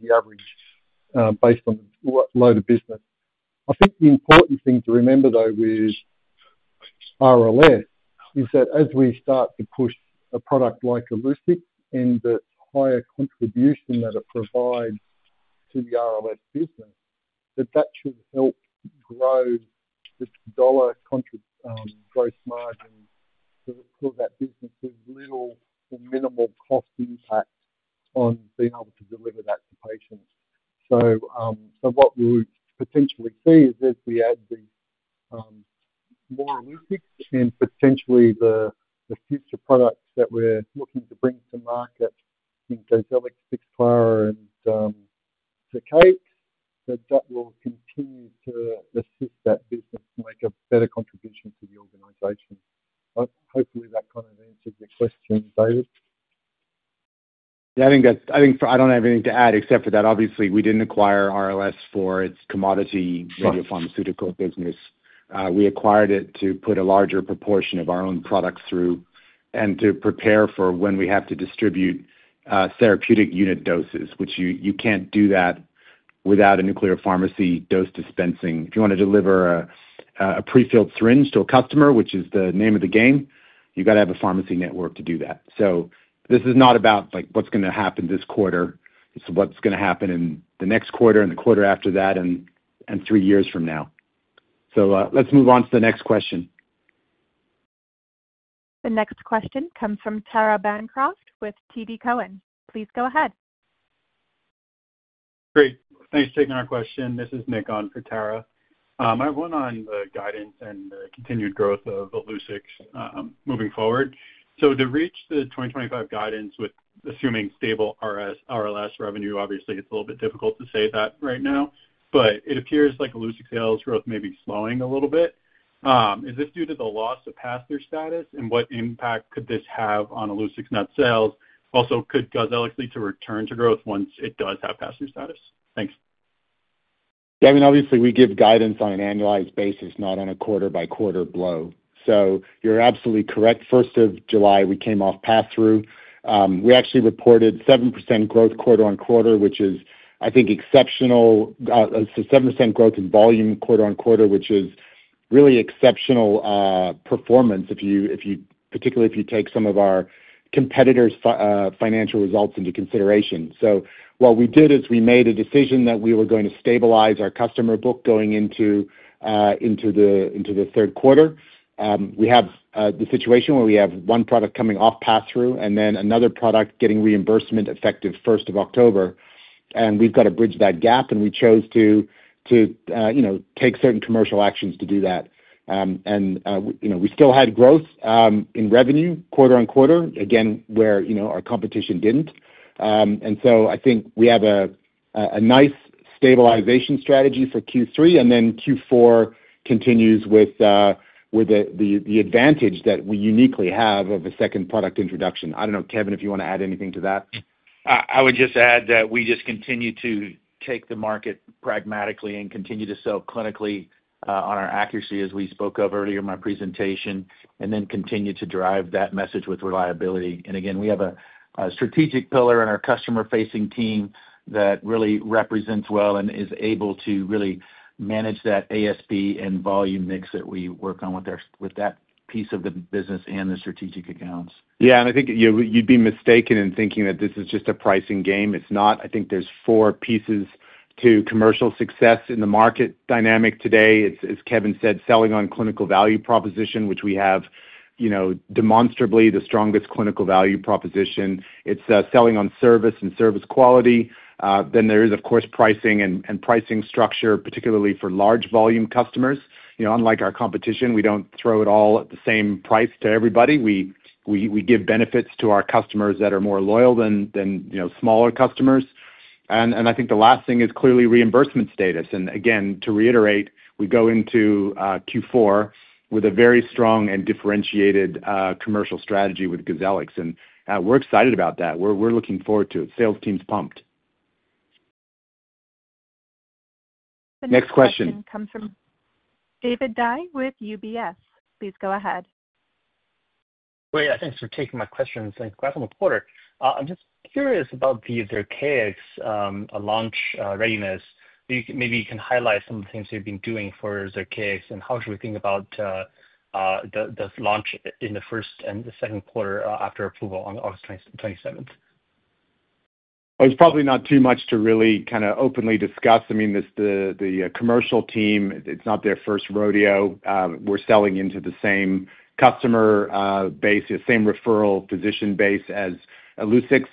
Speaker 2: the average based on the load of business. I think the important thing to remember though with RLS is that as we start to push a product like Illuccix and the higher contribution that it provides to the RLS business, that should help grow the dollar gross margin for that business with little or minimal cost impact on being able to deliver that to patients. What we would potentially see is as we add the line intake and potentially the future products that we're looking to bring to market in Gozellix, Pixclara, and Zircaix, that will continue to assist that business to make a better contribution to the organization. Hopefully that kind of answers the question, David?
Speaker 3: I think I don't have anything to add except for that obviously we didn't acquire RLS for its commodity pharmaceutical business. We acquired it to put a larger proportion of our own products through and to prepare for when we have to distribute therapeutic unit doses, which you can't do without a nuclear pharmacy dose dispensing. If you want to deliver a pre-filled syringe to a customer, which is the name of the game, you got to have a pharmacy network to do that. This is not about what's going to happen this quarter. This is what's going to happen in the next quarter and the quarter after that and three years from now. Let's move on to the next question.
Speaker 6: The next question comes from Tara Bancroft with TD Cowen. Please go ahead.
Speaker 5: Great.
Speaker 8: Thanks for taking our question. This is Nick on for Tara. I have one on the guidance and continued growth of Illuccix moving forward. To reach the 2025 guidance with assuming stable RLS revenue, obviously it's a little bit difficult to say that right now, but it appears like Illuccix sales growth may be slowing a little bit. Is this due to the loss of pass through status, and what impact could this have on Illuccix's net sales? Also, could Gozellix need to return to growth once it does have pass through status? Thanks
Speaker 3: Obviously we give guidance on an annualized basis, not on a quarter by quarter blow. You're absolutely correct. First of July we came off pass through. We actually reported 7% growth quarter on quarter, which is, I think, exceptional. 7% growth in volume quarter on quarter, which is really exceptional performance, particularly if you take some of our competitors' financial results into consideration. What we did is we made a decision that we were going to stabilize our customer book going into the third quarter. We have the situation where we have one product coming off pass through and then another product getting reimbursement effective 1st of October, and we've got to bridge that gap. We chose to take certain commercial actions to do that. We still had growth in revenue quarter on quarter again where our competition didn't. I think we have a nice stabilization strategy for Q3, and then Q4 continues with the advantage that we uniquely have of a second product introduction. I don't know, Kevin, if you want to add anything to that, I would.
Speaker 4: We just continue to take the market pragmatically and continue to sell clinically on our accuracy as we spoke of earlier in my presentation, then continue to drive that message with reliability. We have a strategic pillar in our customer-facing team that really represents well and is able to really manage that ASP and volume mix that we work on with that piece of the business and the strategic accounts.
Speaker 3: Yeah, and I think you'd be mistaken in thinking that this is just a pricing game. It's not. I think there's four pieces to commercial success in the market dynamic today. As Kevin said, selling on clinical value proposition, which we have, you know, demonstrably the strongest clinical value proposition. It's selling on service and service quality. There is, of course, pricing and pricing structure, particularly for large volume customers. Unlike our competition, we don't throw it all at the same price to everybody. We give benefits to our customers that are more loyal than smaller customers. I think the last thing is clearly reimbursement status. Again, to reiterate, we go into Q4 with a very strong and differentiated commercial strategy with Gozellix. We're excited about that. We're looking forward to it. Sales team's pumped.
Speaker 6: Next question comes from David Dai with UBS. Please go ahead.
Speaker 9: Great. Thanks for taking my questions. I'm a graphene reporter. I'm just curious about the case launch readiness. Maybe you can highlight some of the. Things you've been doing for Zircaix. How should we think about the. Launch in the first and the second. Quarter after approval on August 27th?
Speaker 3: It's probably not too much to really kind of openly discuss. I mean, the commercial team, it's not their first rodeo. We're selling the same customer base, the same referral position base as Illuccix.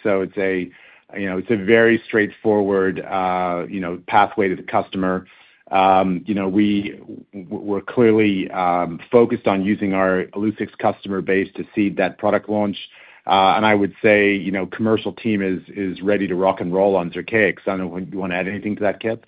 Speaker 3: It's a very straightforward pathway to the customer. We were clearly focused on using our Illuccix customer base to see that product launch. I would say the commercial team is ready to rock and roll on Zircaix. I don't know if you want to add anything to that, Kip.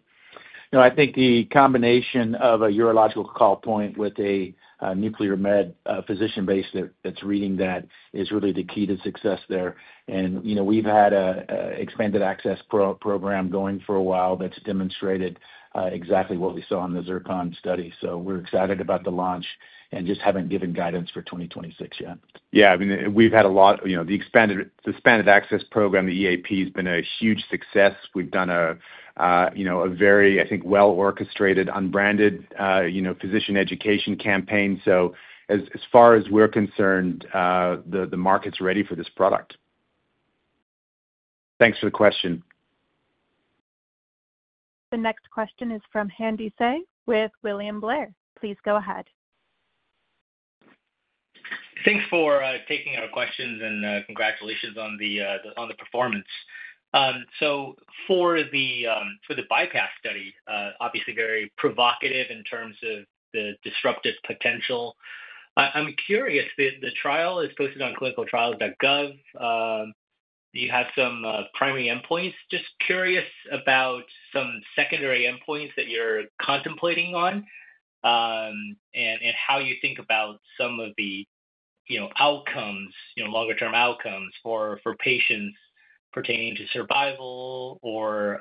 Speaker 4: No, I think the combination of a urological call point with a nuclear med physician base that's reading that is really the key to success there. We've had an expanded access program going for a while that's demonstrated exactly what we saw in the ZIRCON study. We're excited about the launch and just haven't given guidance for 2026 yet.
Speaker 3: Yeah, we've had a lot. The expanded access program, the EAP, has been a huge success. We've done a very, I think, well-orchestrated, unbranded physician education campaign. As far as we're concerned, the market's ready for this product. Thanks for the question.
Speaker 6: The next question is from Andy Hsieh with William Blair. Please go ahead.
Speaker 10: Thanks for taking our questions and congratulations on the performance. For the BiPASS study, obviously very provocative in terms of the disruptive potential. I'm curious. The trial is posted on clinicaltrials.gov, you had some primary endpoints. Just curious about some secondary endpoints that you're contemplating on and how you think about some of the outcomes, longer term outcomes for patients pertaining to survival. Or.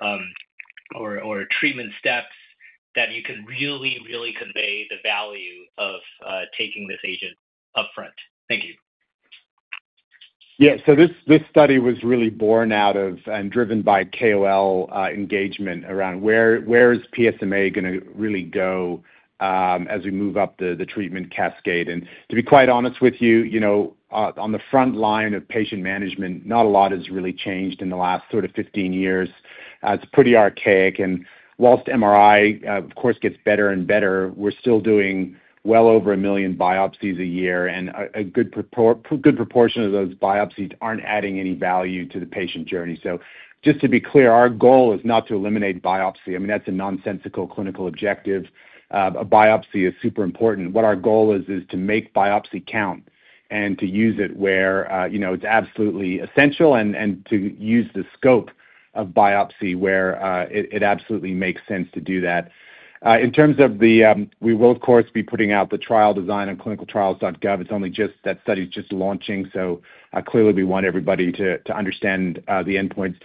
Speaker 10: Treatment steps that you can really, really convey the value of taking this agent up front. Thank you.
Speaker 3: Yeah. This study was really born out of and driven by KOL engagement around where PSMA is going to really go as we move up the treatment cascade. To be quite honest with you, on the front line of patient management, not a lot has really changed in the last 15 years. It's pretty archaic. Whilst MRI of course gets better and better, we're still doing well over a million biopsies a year and a good proportion of those biopsies aren't adding any value to the patient journey. Just to be clear, our goal is not to eliminate biopsy. I mean that's a nonsensical clinical objective. A biopsy is super important. What our goal is is to make biopsy count and to use it where it's absolutely essential and to use the scope of biopsy where it absolutely makes sense to do that. We will of course be putting out the trial design on clinicaltrials.gov. That study is just launching. Clearly we want everybody to understand the endpoint.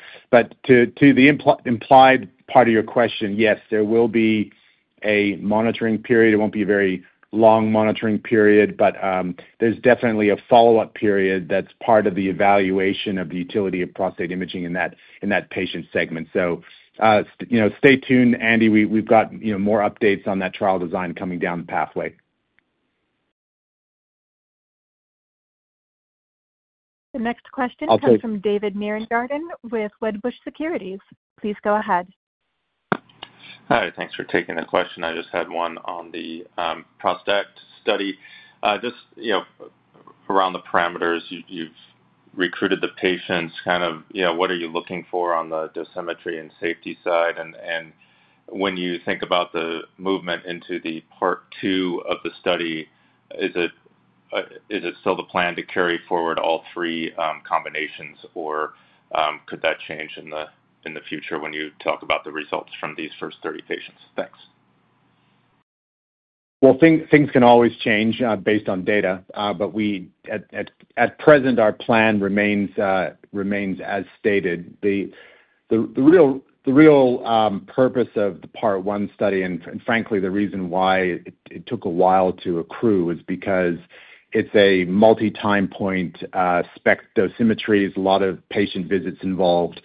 Speaker 3: To the implied part of your question, yes, there will be a monitoring period. It won't be a very long monitoring period, but there's definitely a follow up period that's part of the evaluation of the utility of prostate imaging in that patient segment. Stay tuned, Andy. We've got more updates on that trial design coming down the pathway.
Speaker 6: The next question comes from with Wedbush Securities. Please go ahead.
Speaker 11: Hi, thanks for taking the question. I just had one. On the ProstACT study, around the parameters, you've recruited the patients. What are you looking for on the dosimetry and safety side? When you think about the movement into the part two of the study, is it still the plan to carry forward all three combinations or could that change in the future when you talk about the results from these first 30 patients? Thanks.
Speaker 3: Things can always change based on data, but at present our plan remains as stated. The real purpose of the part one study, and frankly the reason why it took a while to accrue, is because it's a multi time point spectrometry. A lot of patient visits involved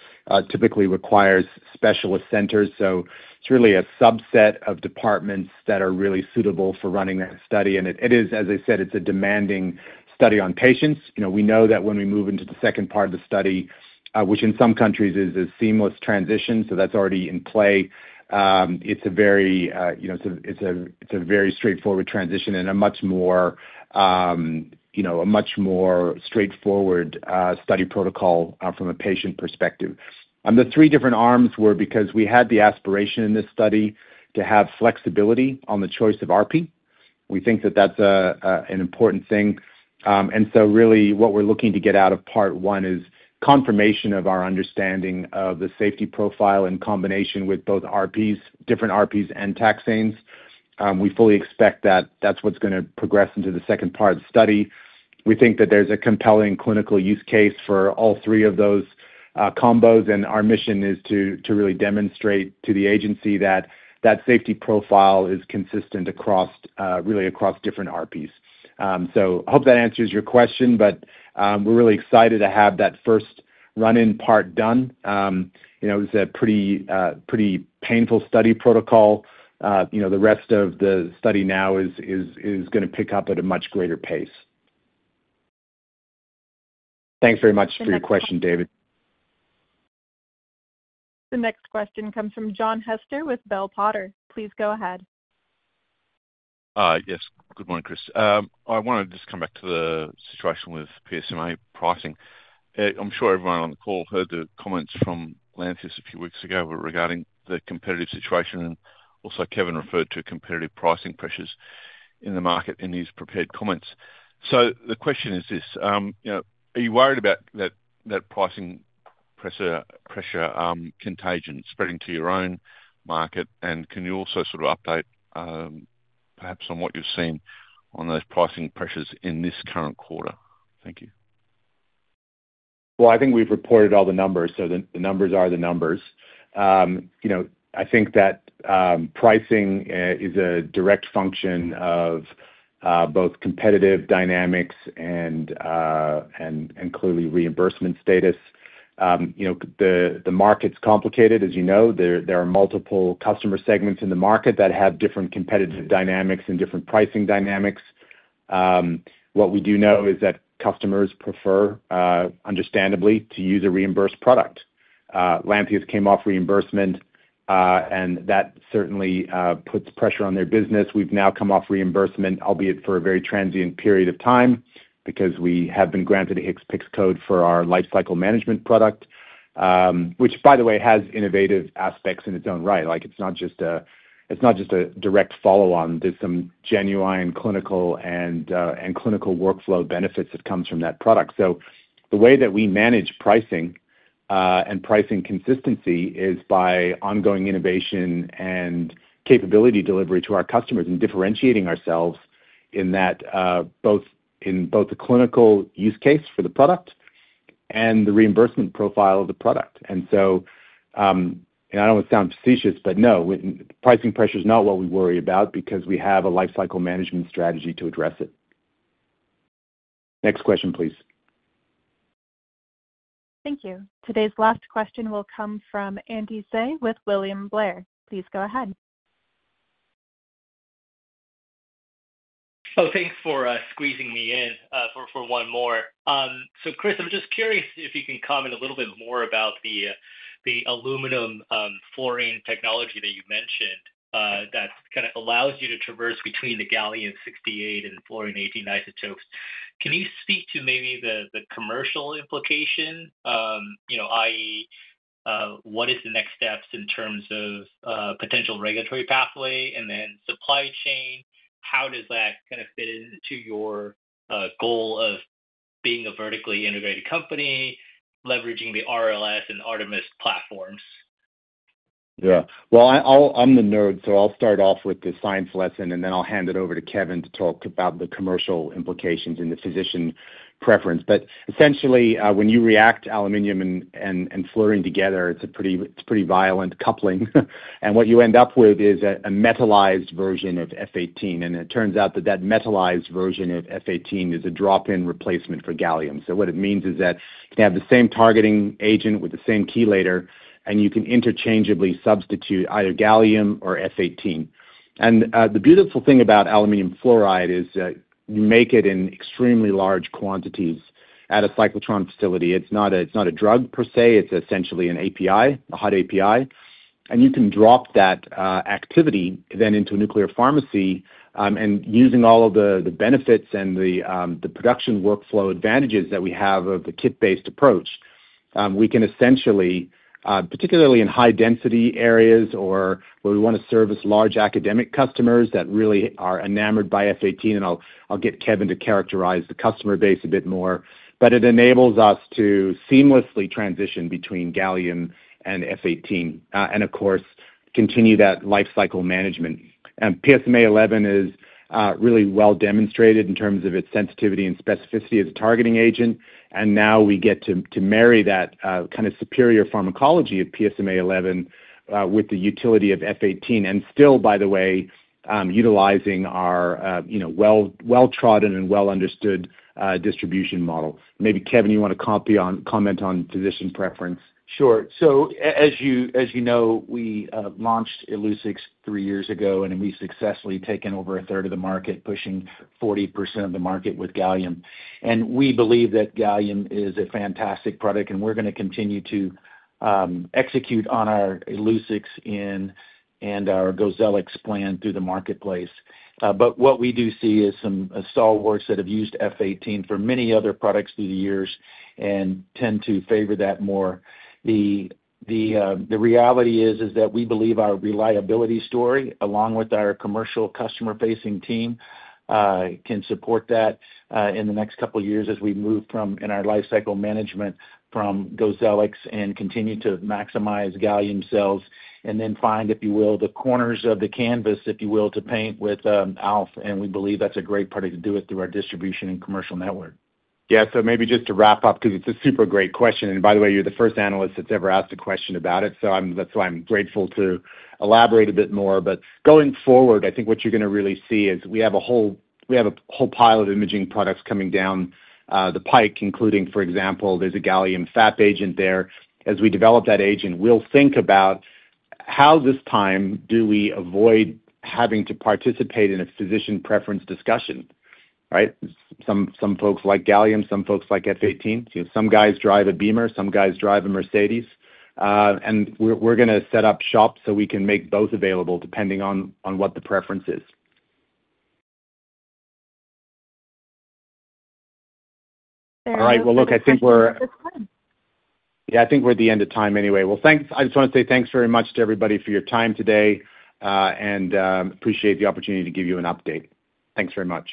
Speaker 3: typically requires specialist centers. It's really a subset of departments that are really suitable for running that study. It is, as I said, a demanding study on patients. We know that when we move into the second part of the study, which in some countries is a seamless transition, that's already in play. It's a very straightforward transition and a much more straightforward study protocol from a patient perspective. The three different arms were because we had the aspiration in this study to have flexibility on the choice of ARPI. We think that that's an important thing. What we're looking to get out of part one is confirmation of our understanding of the safety profile in combination with both ARPIs, different ARPIs, and taxanes. We fully expect that that's what's going to progress into the second part of the study. We think that there's a compelling clinical use case for all three of those combos. Our mission is to really demonstrate to the agency that that safety profile is consistent across different ARPIs. I hope that answers your question. But. We are really excited to have that first run in part done. It was a pretty, pretty painful study protocol. The rest of the study now is going to pick up at a much greater pace. Thanks very much for your question, David.
Speaker 6: The next question comes from John Hester with Bell Potter. Please go ahead.
Speaker 12: Yes, good morning, Chris. I want to just come back to the situation with PSMA pricing. I'm sure everyone on the call heard the comments from Lantheus a few weeks ago regarding the competitive situation. Kevin referred to competitive pricing pressures in the market in his prepared comments. The question is this: are you worried about that pricing pressure contagion spreading to your own market? Can you also sort of update perhaps on what you've seen on those pricing pressures in this current quarter? Thank you.
Speaker 3: I think we've reported all the numbers. The numbers are the numbers. I think that pricing is a direct function of both competitive dynamics and, clearly, reimbursement status. The market's complicated. As you know, there are multiple customer segments in the market that have different competitive dynamics and different pricing dynamics. What we do know is that customers prefer, understandably, to use a reimbursed product. Lantheus came off reimbursement, and that certainly puts pressure on their business. We've now come off reimbursement, albeit for a very transient period of time because we have been granted a HCPCS code for our lifecycle management product, which, by the way, has innovative aspects in its own right. It's not just a direct follow-on; there's some genuine clinical and clinical workflow benefits that come from that product. The way that we manage pricing and pricing consistency is by ongoing innovation and capability delivery to our customers and differentiating ourselves in both the clinical use case for the product and the reimbursement profile of the product. I don't sound facetious, but no, pricing pressure is not what we worry about because we have a lifecycle management strategy to address it. Next question please.
Speaker 6: Thank you. Today's last question will come from Andy Hsieh with William Blair. Please go ahead.
Speaker 10: Thanks for squeezing me in for one more. Chris, I'm just curious if you can comment a little bit more about the aluminum fluorine technology that you mentioned that kind of allows you to traverse between the gallium-68 and fluorine-18 isotopes. Can you speak to maybe the commercial implication, that is, what is the next steps in terms of potential regulatory pathway and then supply chain? How does that kind of fit into your goal of being a vertically integrated company leveraging the RLS and ARTMS platforms?
Speaker 3: Yeah, I'm the nerd. I'll start off with the science lesson and then I'll hand it over to Kevin to talk about the commercial implications in the physician preference. Essentially, when you react aluminium and fluorine together, it's a pretty violent coupling and what you end up with is a metallized version of F18. It turns out that metallized version of F18 is a drop-in replacement for gallium. What it means is that you have the same targeting agent with the same chelator and you can interchangeably substitute either gallium or F18. The beautiful thing about aluminium fluoride is you make it in extremely large quantities at a cyclotron facility. It's not a drug per se, it's essentially an API, a hot API. You can drop that activity then into a nuclear pharmacy. Using all of the benefits and the production workflow advantages that we have of the kit-based approach, we can essentially, particularly in high-density areas or where we want to service large academic customers that really are enamored by F18. I'll get Kevin to characterize the customer base a bit more, but it enables us to seamlessly transition between gallium and F18. Of course, continue that lifecycle management. PSMA 11 is really well demonstrated in terms of its sensitivity and specificity as a targeting agent. Now we get to marry that kind of superior pharmacology of PSMA 11 with the utility of F18 and still, by the way, utilizing our well-trodden and well-understood distribution model. Maybe. Kevin, you want to comment on physician preference?
Speaker 4: Sure. As you know, we launched Illuccix three years ago and we've successfully taken over a third of the market, pushing 40% of the market with gallium. We believe that gallium is a fantastic product and we're going to continue to execute on our Illuccix and our Gozellix plan through the marketplace. What we do see is some stalwarts that have used F18 for many other products through the years and tend to favor that more. The reality is that we believe our reliability story along with our commercial customer-facing team can support that in the next couple of years as we move, in our life cycle management, from Gozellix and continue to maximize gallium sales and then find, if you will, the corners of the canvas to paint with alpha. We believe that's a great party to do it through our distribution and commercial network.
Speaker 3: Yeah, maybe just to wrap up because it's a super great question and by the way, you're the first analyst that's ever asked a question about it. That's why I'm grateful to elaborate a bit more. Going forward, I think what you're going to really see is we have a whole pile of imaging products coming down the pike, including, for example, there's a gallium FAP agent there. As we develop that agent, we'll think about how this time do we avoid having to participate in a physician preference discussion. Some folks like gallium, some folks like F18, some guys drive a Beamer, some guys drive a Mercedes, and we're going to set up shops so we can make both available depending on what the preference is. All right, I think we're. Yeah, I think we're at the end of time anyway. Well, thanks. I just want to say thanks very much to everybody for your time today and appreciate the opportunity to give you an update. Thanks very much.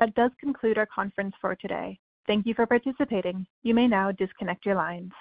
Speaker 6: That does conclude our conference for today. Thank you for participating. You may now disconnect your lines.
Speaker 3: Thank you.